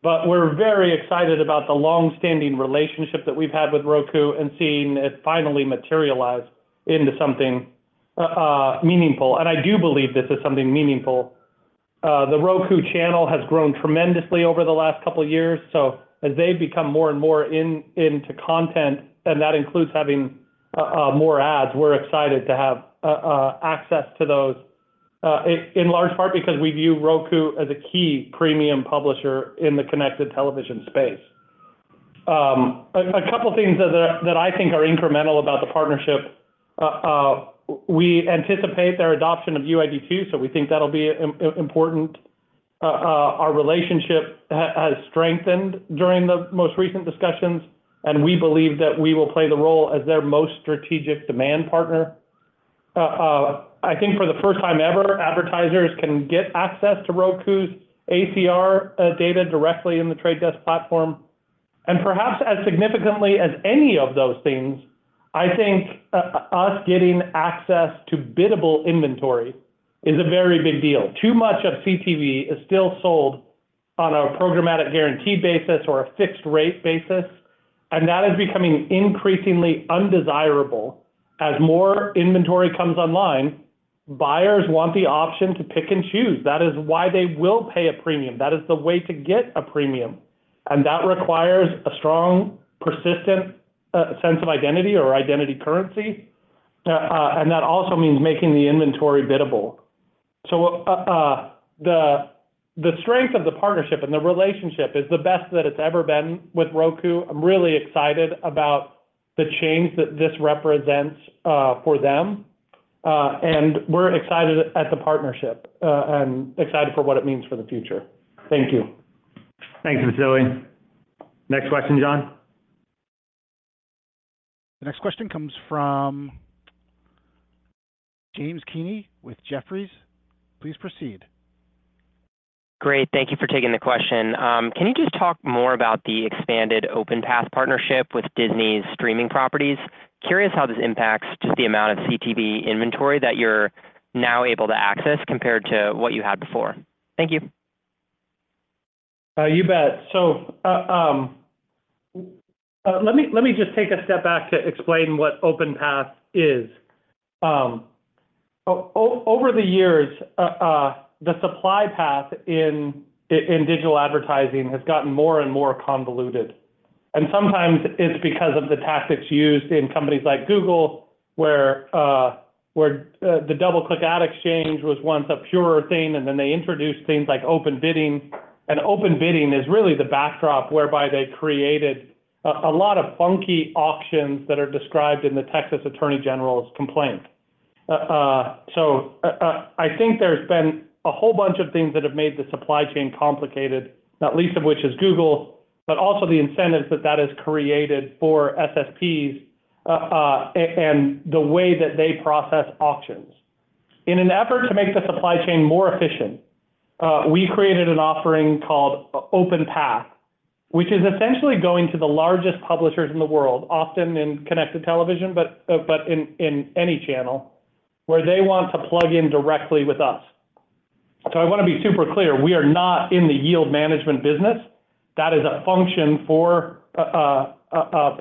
but we're very excited about the longstanding relationship that we've had with Roku and seeing it finally materialize into something meaningful. I do believe this is something meaningful. The Roku Channel has grown tremendously over the last couple of years. So as they've become more and more into content, and that includes having more ads, we're excited to have access to those, in large part because we view Roku as a key premium publisher in the connected television space. A couple of things that I think are incremental about the partnership. We anticipate their adoption of UID2, so we think that'll be important. Our relationship has strengthened during the most recent discussions, and we believe that we will play the role as their most strategic demand partner. I think for the first time ever, advertisers can get access to Roku's ACR data directly in the Trade Desk platform. And perhaps as significantly as any of those things, I think us getting access to biddable inventory is a very big deal. Too much of CTV is still sold on a programmatic guarantee basis or a fixed rate basis. And that is becoming increasingly undesirable. As more inventory comes online, buyers want the option to pick and choose. That is why they will pay a premium. That is the way to get a premium. And that requires a strong, persistent sense of identity or identity currency. And that also means making the inventory biddable. So the strength of the partnership and the relationship is the best that it's ever been with Roku. I'm really excited about the change that this represents for them. We're excited at the partnership and excited for what it means for the future. Thank you. Thanks, Vasily. Next question, John. The next question comes from James Heaney with Jefferies. Please proceed. Great. Thank you for taking the question. Can you just talk more about the expanded OpenPath partnership with Disney's streaming properties? Curious how this impacts just the amount of CTV inventory that you're now able to access compared to what you had before. Thank you. You bet. Let me just take a step back to explain what OpenPath is. Over the years, the supply path in digital advertising has gotten more and more convoluted. Sometimes it's because of the tactics used in companies like Google, where the DoubleClick Ad Exchange was once a purer thing, and then they introduced things like Open Bidding. Open Bidding is really the backdrop whereby they created a lot of funky auctions that are described in the Texas Attorney General's complaint. I think there's been a whole bunch of things that have made the supply chain complicated, not least of which is Google, but also the incentives that that has created for SSPs and the way that they process auctions. In an effort to make the supply chain more efficient, we created an offering called OpenPath, which is essentially going to the largest publishers in the world, often in connected television but in any channel, where they want to plug in directly with us. So I want to be super clear. We are not in the yield management business. That is a function for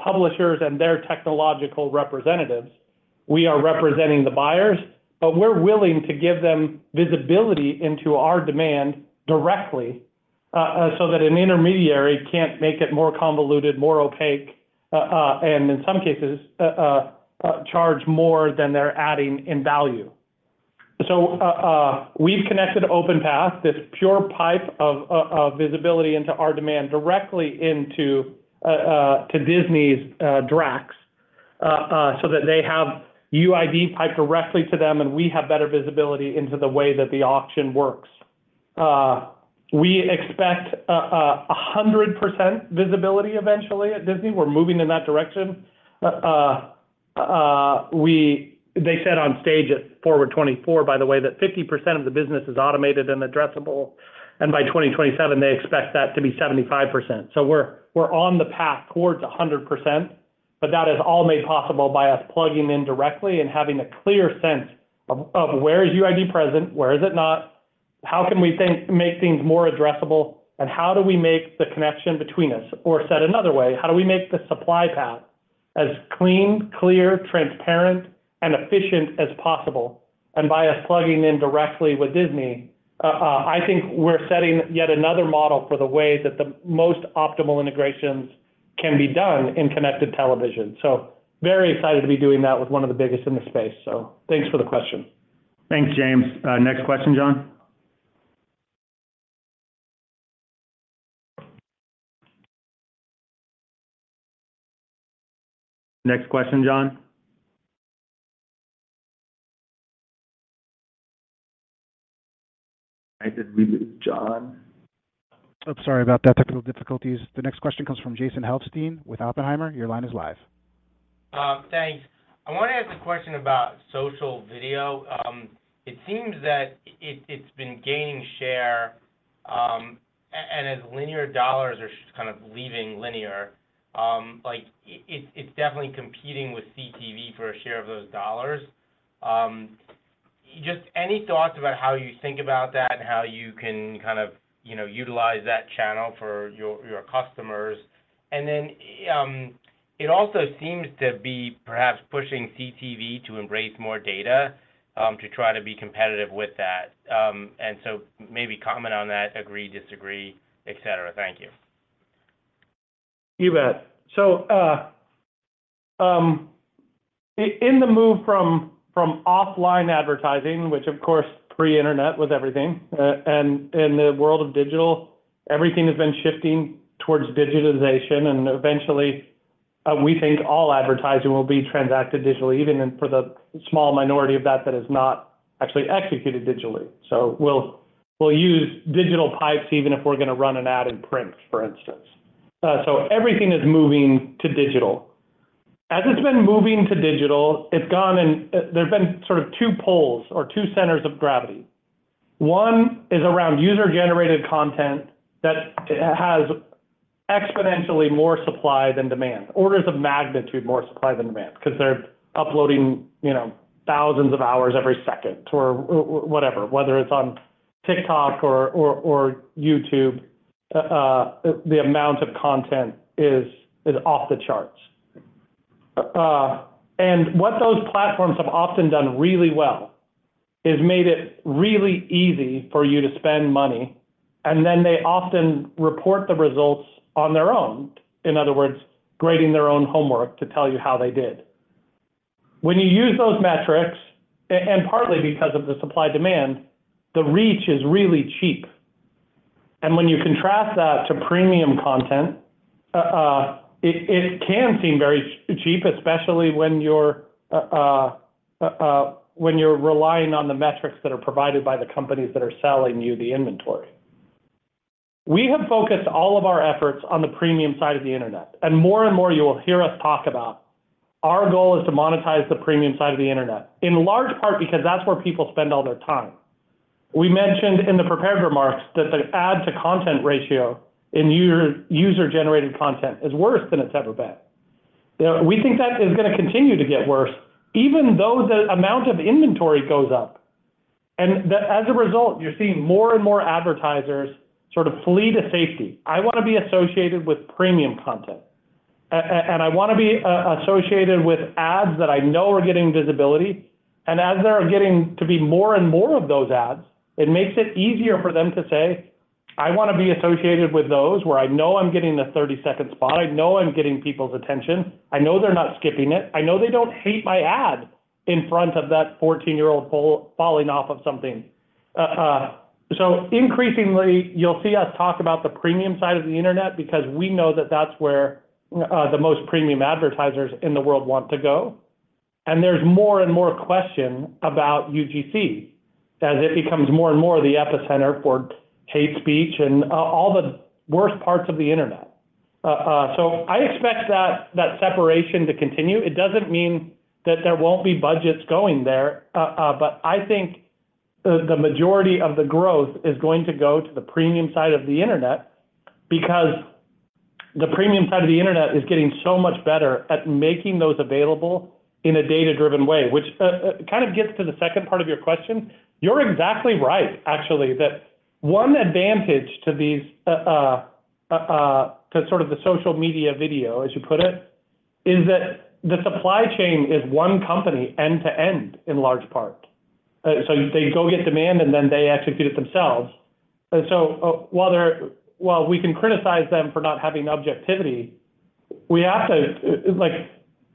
publishers and their technological representatives. We are representing the buyers, but we're willing to give them visibility into our demand directly so that an intermediary can't make it more convoluted, more opaque, and in some cases, charge more than they're adding in value. So we've connected OpenPath, this pure pipe of visibility into our demand directly into Disney's DRAX so that they have UID piped directly to them, and we have better visibility into the way that the auction works. We expect 100% visibility eventually at Disney. We're moving in that direction. They said on stage at Forward 2024, by the way, that 50% of the business is automated and addressable. By 2027, they expect that to be 75%. We're on the path towards 100%, but that is all made possible by us plugging in directly and having a clear sense of where is UID present, where is it not, how can we make things more addressable, and how do we make the connection between us? Or said another way, how do we make the supply path as clean, clear, transparent, and efficient as possible? By us plugging in directly with Disney, I think we're setting yet another model for the way that the most optimal integrations can be done in connected television. Very excited to be doing that with one of the biggest in the space. Thanks for the question. Thanks, James. Next question, John. Next question, John. [I didn't read it,] John. Oops, sorry about that technical difficulties. The next question comes from Jason Helfstein with Oppenheimer. Your line is live. Thanks. I want to ask a question about social video. It seems that it's been gaining share, and as linear dollars are kind of leaving linear, it's definitely competing with CTV for a share of those dollars. Just any thoughts about how you think about that and how you can kind of utilize that channel for your customers? And then it also seems to be perhaps pushing CTV to embrace more data to try to be competitive with that. And so maybe comment on that, agree, disagree, etc. Thank you. You bet. So in the move from offline advertising, which, of course, pre-internet was everything, and in the world of digital, everything has been shifting towards digitization. Eventually, we think all advertising will be transacted digitally, even for the small minority of that that is not actually executed digitally. So we'll use digital pipes even if we're going to run an ad in print, for instance. So everything is moving to digital. As it's been moving to digital, there's been sort of two poles or two centers of gravity. One is around user-generated content that has exponentially more supply than demand, orders of magnitude more supply than demand because they're uploading thousands of hours every second or whatever. Whether it's on TikTok or YouTube, the amount of content is off the charts. What those platforms have often done really well is made it really easy for you to spend money, and then they often report the results on their own, in other words, grading their own homework to tell you how they did. When you use those metrics, and partly because of the supply-demand, the reach is really cheap. When you contrast that to premium content, it can seem very cheap, especially when you're relying on the metrics that are provided by the companies that are selling you the inventory. We have focused all of our efforts on the premium side of the internet. More and more, you will hear us talk about our goal is to monetize the premium side of the internet, in large part because that's where people spend all their time. We mentioned in the prepared remarks that the ad-to-content ratio in user-generated content is worse than it's ever been. We think that is going to continue to get worse even though the amount of inventory goes up. As a result, you're seeing more and more advertisers sort of flee to safety. I want to be associated with premium content. I want to be associated with ads that I know are getting visibility. As there are getting to be more and more of those ads, it makes it easier for them to say, "I want to be associated with those where I know I'm getting the 30-second spot. I know I'm getting people's attention. I know they're not skipping it. I know they don't hate my ad in front of that 14-year-old falling off of something." So increasingly, you'll see us talk about the premium side of the internet because we know that that's where the most premium advertisers in the world want to go. And there's more and more question about UGC as it becomes more and more the epicenter for hate speech and all the worst parts of the internet. So I expect that separation to continue. It doesn't mean that there won't be budgets going there, but I think the majority of the growth is going to go to the premium side of the internet because the premium side of the internet is getting so much better at making those available in a data-driven way, which kind of gets to the second part of your question. You're exactly right, actually, that one advantage to sort of the social media video, as you put it, is that the supply chain is one company end to end, in large part. So they go get demand, and then they execute it themselves. And so while we can criticize them for not having objectivity,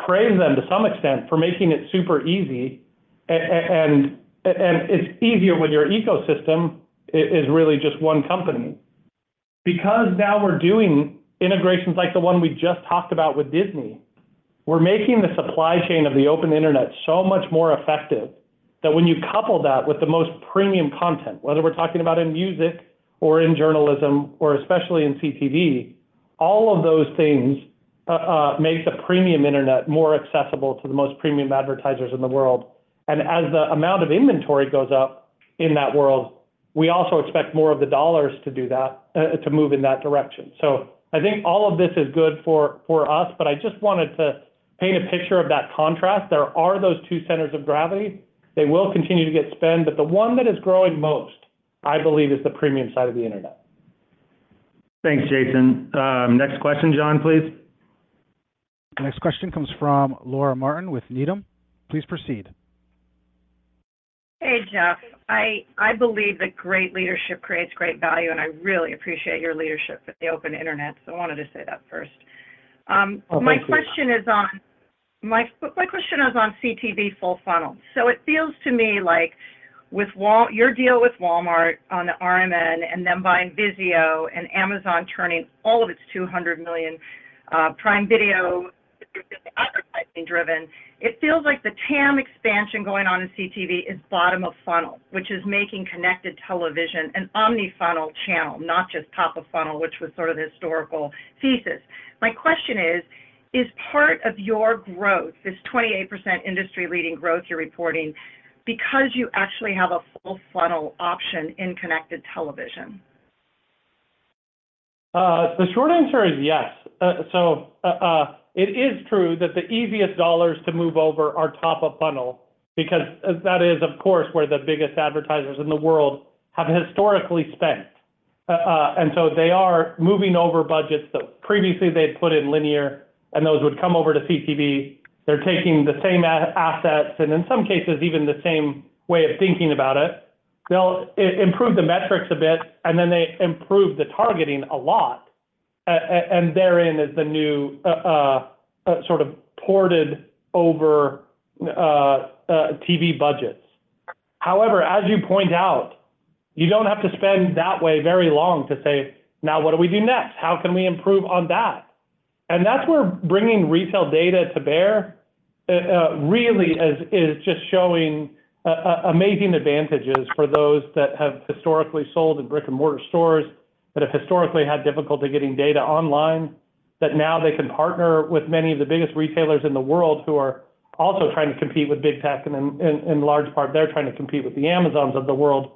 we have to credit them to some extent for making it super easy. And it's easier when your ecosystem is really just one company. Because now we're doing integrations like the one we just talked about with Disney, we're making the supply chain of the open internet so much more effective that when you couple that with the most premium content, whether we're talking about in music or in journalism or especially in CTV, all of those things make the premium internet more accessible to the most premium advertisers in the world. As the amount of inventory goes up in that world, we also expect more of the dollars to do that, to move in that direction. So I think all of this is good for us, but I just wanted to paint a picture of that contrast. There are those two centers of gravity. They will continue to get spent, but the one that is growing most, I believe, is the premium side of the internet. Thanks, Jason. Next question, John, please. The next question comes from Laura Martin with Needham. Please proceed. Hey, Jeff. I believe that great leadership creates great value, and I really appreciate your leadership at the open internet. So I wanted to say that first. My question is on CTV full funnel. So it feels to me like with your deal with Walmart on the RMN and then buying Vizio and Amazon turning all of its 200 million Prime Video advertising driven, it feels like the TAM expansion going on in CTV is bottom of funnel, which is making connected television an omni-funnel channel, not just top of funnel, which was sort of the historical thesis. My question is, is part of your growth, this 28% industry-leading growth you're reporting, because you actually have a full funnel option in connected television? The short answer is yes. So it is true that the easiest dollars to move over are top of funnel because that is, of course, where the biggest advertisers in the world have historically spent. And so they are moving over budgets that previously they'd put in linear, and those would come over to CTV. They're taking the same assets and, in some cases, even the same way of thinking about it. They'll improve the metrics a bit, and then they improve the targeting a lot. And therein is the new sort of ported-over TV budgets. However, as you point out, you don't have to spend that way very long to say, "Now, what do we do next? How can we improve on that?" And that's where bringing retail data to bear really is just showing amazing advantages for those that have historically sold in brick-and-mortar stores, that have historically had difficulty getting data online, that now they can partner with many of the biggest retailers in the world who are also trying to compete with Big Tech. And in large part, they're trying to compete with the Amazons of the world.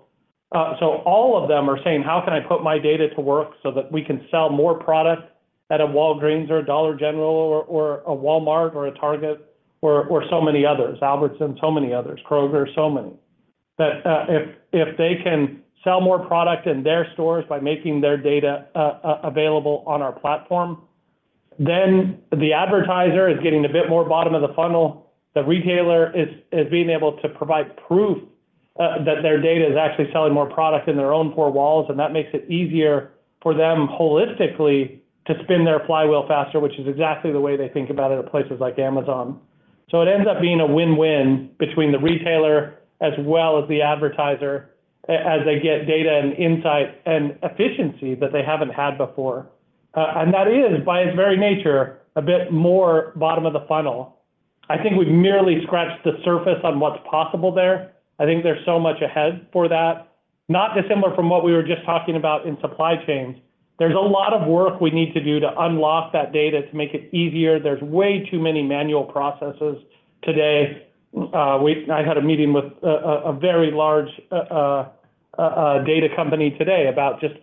So all of them are saying, "How can I put my data to work so that we can sell more product at a Walgreens or a Dollar General or a Walmart or a Target or so many others, Albertsons, so many others, Kroger, so many?" That if they can sell more product in their stores by making their data available on our platform, then the advertiser is getting a bit more bottom of the funnel. The retailer is being able to provide proof that their data is actually selling more product in their own four walls. And that makes it easier for them holistically to spin their flywheel faster, which is exactly the way they think about it at places like Amazon. So it ends up being a win-win between the retailer as well as the advertiser as they get data and insight and efficiency that they haven't had before. And that is, by its very nature, a bit more bottom of the funnel. I think we've merely scratched the surface on what's possible there. I think there's so much ahead for that, not dissimilar from what we were just talking about in supply chains. There's a lot of work we need to do to unlock that data to make it easier. There's way too many manual processes today. I had a meeting with a very large data company today about just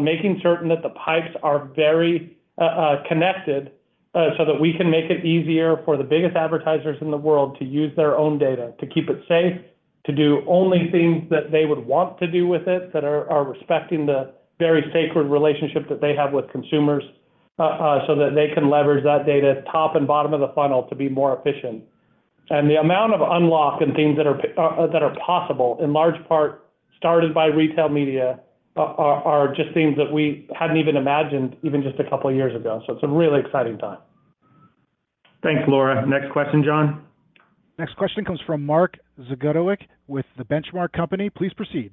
making certain that the pipes are very connected so that we can make it easier for the biggest advertisers in the world to use their own data, to keep it safe, to do only things that they would want to do with it that are respecting the very sacred relationship that they have with consumers so that they can leverage that data top and bottom of the funnel to be more efficient. The amount of unlock and things that are possible, in large part started by retail media, are just things that we hadn't even imagined even just a couple of years ago. It's a really exciting time. Thanks, Laura. Next question, John. Next question comes from Mark Zgutowicz with The Benchmark Company. Please proceed.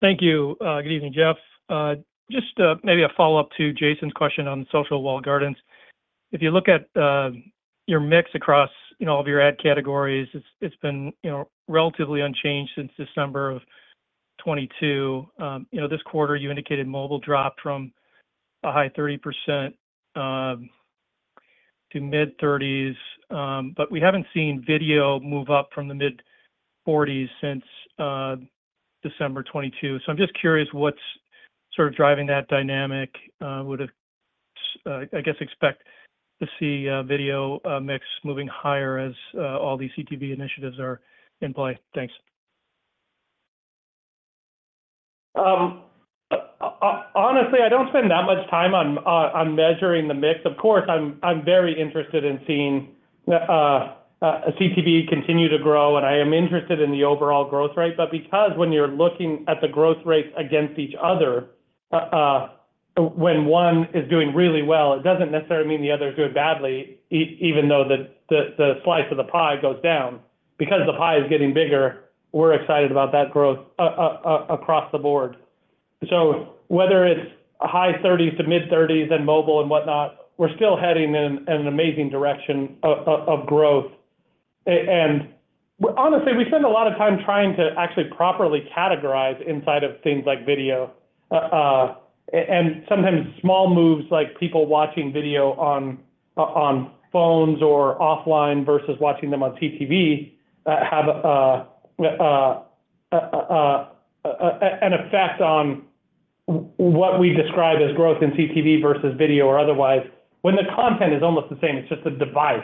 Thank you. Good evening, Jeff. Just maybe a follow-up to Jason's question on the social walled gardens. If you look at your mix across all of your ad categories, it's been relatively unchanged since December 2022. This quarter, you indicated mobile dropped from a high 30% to mid-30s%. But we haven't seen video move up from the mid-40s% since December 2022. So I'm just curious what's sort of driving that dynamic. Would have, I guess, expect to see video mix moving higher as all these CTV initiatives are in play. Thanks. Honestly, I don't spend that much time on measuring the mix. Of course, I'm very interested in seeing CTV continue to grow. I am interested in the overall growth rate. But because when you're looking at the growth rates against each other, when one is doing really well, it doesn't necessarily mean the other is doing badly, even though the slice of the pie goes down. Because the pie is getting bigger, we're excited about that growth across the board. So whether it's high-30s to mid-30s and mobile and whatnot, we're still heading in an amazing direction of growth. And honestly, we spend a lot of time trying to actually properly categorize inside of things like video. Sometimes small moves like people watching video on phones or offline versus watching them on CTV have an effect on what we describe as growth in CTV versus video or otherwise when the content is almost the same. It's just a device.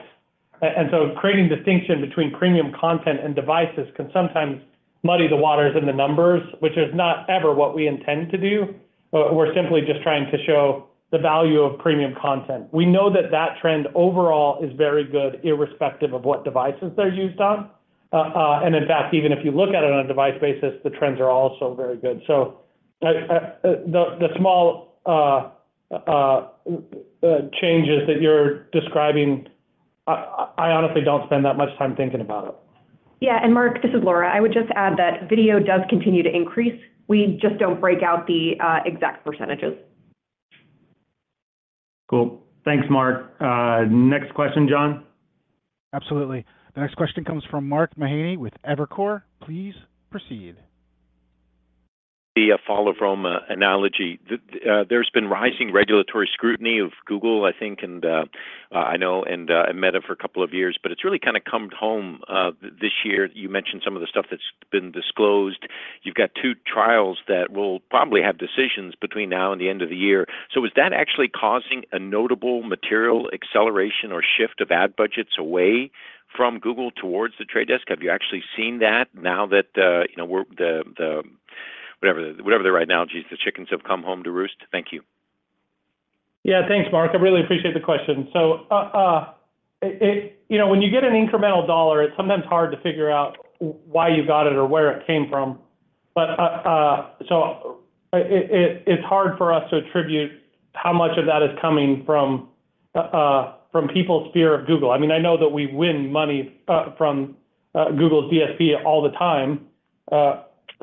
So creating distinction between premium content and devices can sometimes muddy the waters in the numbers, which is not ever what we intend to do. We're simply just trying to show the value of premium content. We know that that trend overall is very good irrespective of what devices they're used on. In fact, even if you look at it on a device basis, the trends are also very good. The small changes that you're describing, I honestly don't spend that much time thinking about it. Yeah. And Mark, this is Laura. I would just add that video does continue to increase. We just don't break out the exact percentages. Cool. Thanks, Mark. Next question, John. Absolutely. The next question comes from Mark Mahaney with Evercore. Please proceed. As a follow-up from the analogy. There's been rising regulatory scrutiny of Google, I think, and I know, and Meta for a couple of years. But it's really kind of come home this year. You mentioned some of the stuff that's been disclosed. You've got two trials that will probably have decisions between now and the end of the year. So is that actually causing a notable material acceleration or shift of ad budgets away from Google towards The Trade Desk? Have you actually seen that now that whatever the right analogy is, the chickens have come home to roost? Thank you. Yeah. Thanks, Mark. I really appreciate the question. So when you get an incremental dollar, it's sometimes hard to figure out why you got it or where it came from. So it's hard for us to attribute how much of that is coming from people's fear of Google. I mean, I know that we win money from Google's DSP all the time.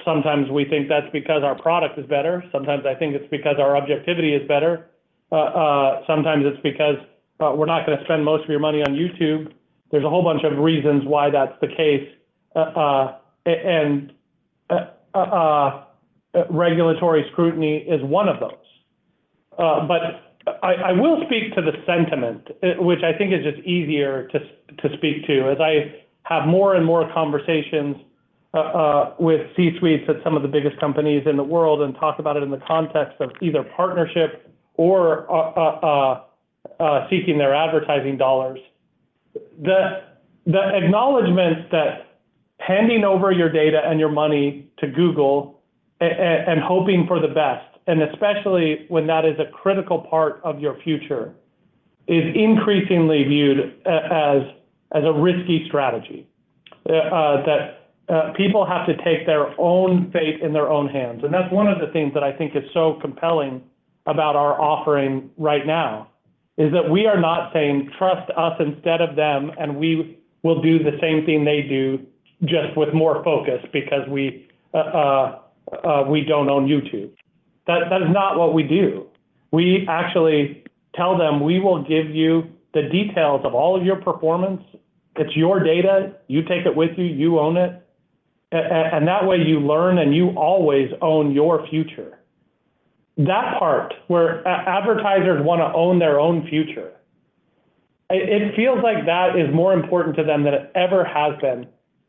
Sometimes we think that's because our product is better. Sometimes I think it's because our objectivity is better. Sometimes it's because we're not going to spend most of your money on YouTube. There's a whole bunch of reasons why that's the case. And regulatory scrutiny is one of those. But I will speak to the sentiment, which I think is just easier to speak to as I have more and more conversations with C-suites at some of the biggest companies in the world and talk about it in the context of either partnership or seeking their advertising dollars. The acknowledgment that handing over your data and your money to Google and hoping for the best, and especially when that is a critical part of your future, is increasingly viewed as a risky strategy, that people have to take their own fate in their own hands. And that's one of the things that I think is so compelling about our offering right now, is that we are not saying, "Trust us instead of them, and we will do the same thing they do just with more focus because we don't own YouTube." That is not what we do. We actually tell them, "We will give you the details of all of your performance. It's your data. You take it with you. You own it. And that way, you learn, and you always own your future." That part where advertisers want to own their own future, it feels like that is more important to them than it ever has been.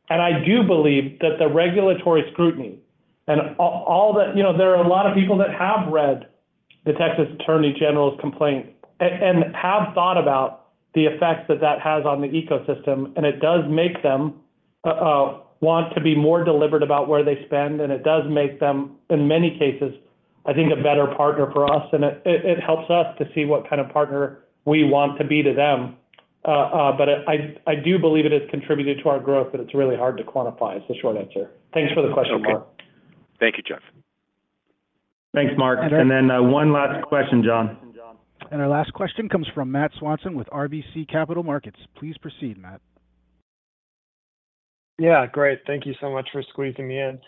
And I do believe that the regulatory scrutiny and all the there are a lot of people that have read the Texas Attorney General's complaint and have thought about the effects that that has on the ecosystem. And it does make them want to be more deliberate about where they spend. And it does make them, in many cases, I think, a better partner for us. And it helps us to see what kind of partner we want to be to them. But I do believe it has contributed to our growth, but it's really hard to quantify. It's the short answer. Thanks for the question, Mark. Thank you, Jeff. Thanks, Mark. And then one last question, John. Our last question comes from Matt Swanson with RBC Capital Markets. Please proceed, Matt. Yeah. Great. Thank you so much for squeezing me in.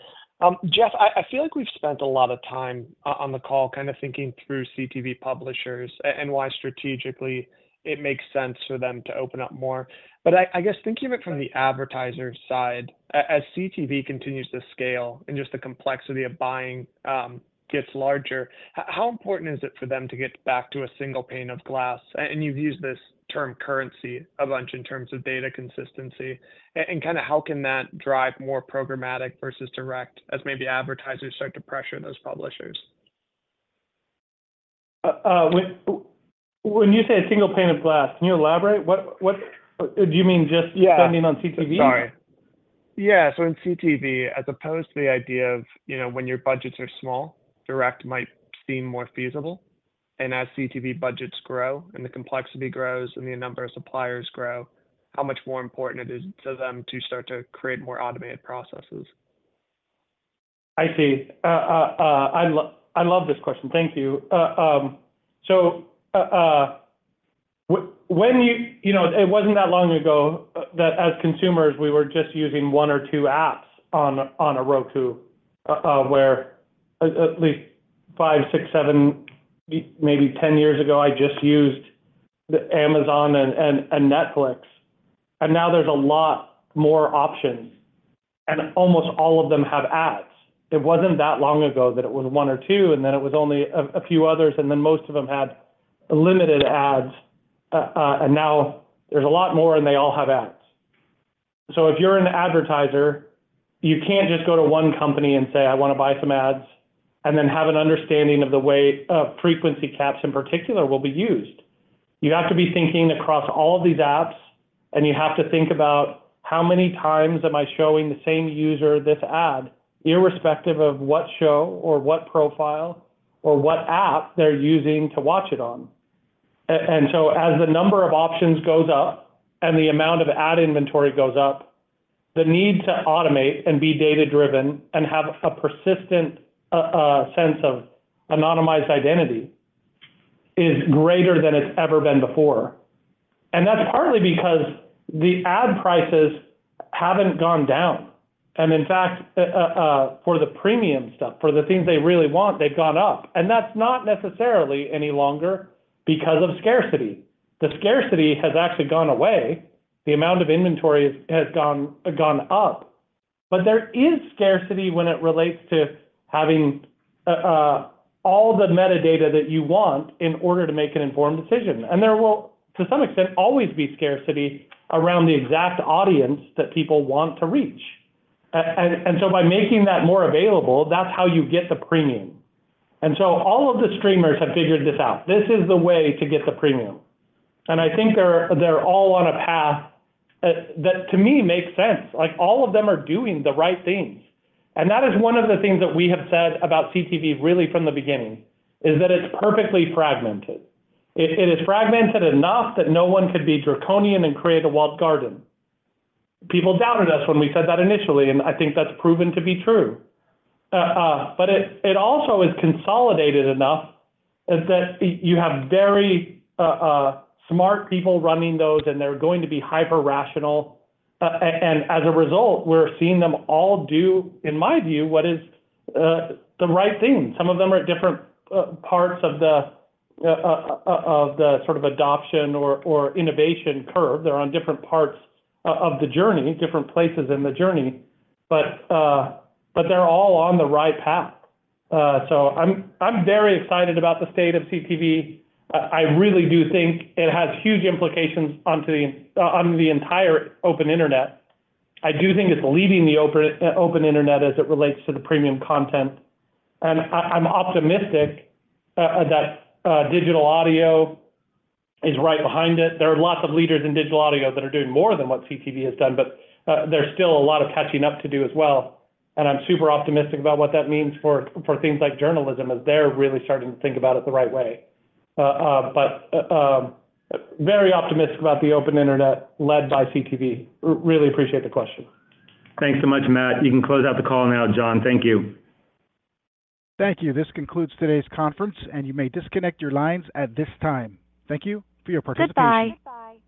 Jeff, I feel like we've spent a lot of time on the call kind of thinking through CTV publishers and why strategically, it makes sense for them to open up more. But I guess thinking of it from the advertiser side, as CTV continues to scale and just the complexity of buying gets larger, how important is it for them to get back to a single pane of glass? And you've used this term currency a bunch in terms of data consistency. And kind of how can that drive more programmatic versus direct as maybe advertisers start to pressure those publishers? When you say a single pane of glass, can you elaborate? Do you mean just spending on CTV? Yeah. Sorry. Yeah. So in CTV, as opposed to the idea of when your budgets are small, direct might seem more feasible. And as CTV budgets grow and the complexity grows and the number of suppliers grow, how much more important it is to them to start to create more automated processes? I see. I love this question. Thank you. So when you it wasn't that long ago that as consumers, we were just using 1 or 2 apps on a Roku where at least 5, 6, 7, maybe 10 years ago, I just used Amazon and Netflix. And now there's a lot more options. And almost all of them have ads. It wasn't that long ago that it was 1 or 2, and then it was only a few others. And then most of them had limited ads. And now there's a lot more, and they all have ads. So if you're an advertiser, you can't just go to 1 company and say, "I want to buy some ads," and then have an understanding of the frequency caps in particular will be used. You have to be thinking across all of these apps. You have to think about how many times am I showing the same user this ad, irrespective of what show or what profile or what app they're using to watch it on. So as the number of options goes up and the amount of ad inventory goes up, the need to automate and be data-driven and have a persistent sense of anonymized identity is greater than it's ever been before. That's partly because the ad prices haven't gone down. In fact, for the premium stuff, for the things they really want, they've gone up. That's not necessarily any longer because of scarcity. The scarcity has actually gone away. The amount of inventory has gone up. But there is scarcity when it relates to having all the metadata that you want in order to make an informed decision. There will, to some extent, always be scarcity around the exact audience that people want to reach. So by making that more available, that's how you get the premium. So all of the streamers have figured this out. This is the way to get the premium. I think they're all on a path that, to me, makes sense. All of them are doing the right things. That is one of the things that we have said about CTV really from the beginning, is that it's perfectly fragmented. It is fragmented enough that no one could be draconian and create a walled garden. People doubted us when we said that initially, and I think that's proven to be true. But it also is consolidated enough that you have very smart people running those, and they're going to be hyper-rational. As a result, we're seeing them all do, in my view, what is the right thing. Some of them are at different parts of the sort of adoption or innovation curve. They're on different parts of the journey, different places in the journey. But they're all on the right path. So I'm very excited about the state of CTV. I really do think it has huge implications on the entire open internet. I do think it's leading the open internet as it relates to the premium content. And I'm optimistic that digital audio is right behind it. There are lots of leaders in digital audio that are doing more than what CTV has done, but there's still a lot of catching up to do as well. And I'm super optimistic about what that means for things like journalism as they're really starting to think about it the right way. But very optimistic about the open internet led by CTV. Really appreciate the question. Thanks so much, Matt. You can close out the call now, John. Thank you. Thank you. This concludes today's conference, and you may disconnect your lines at this time. Thank you for your participation. Goodbye.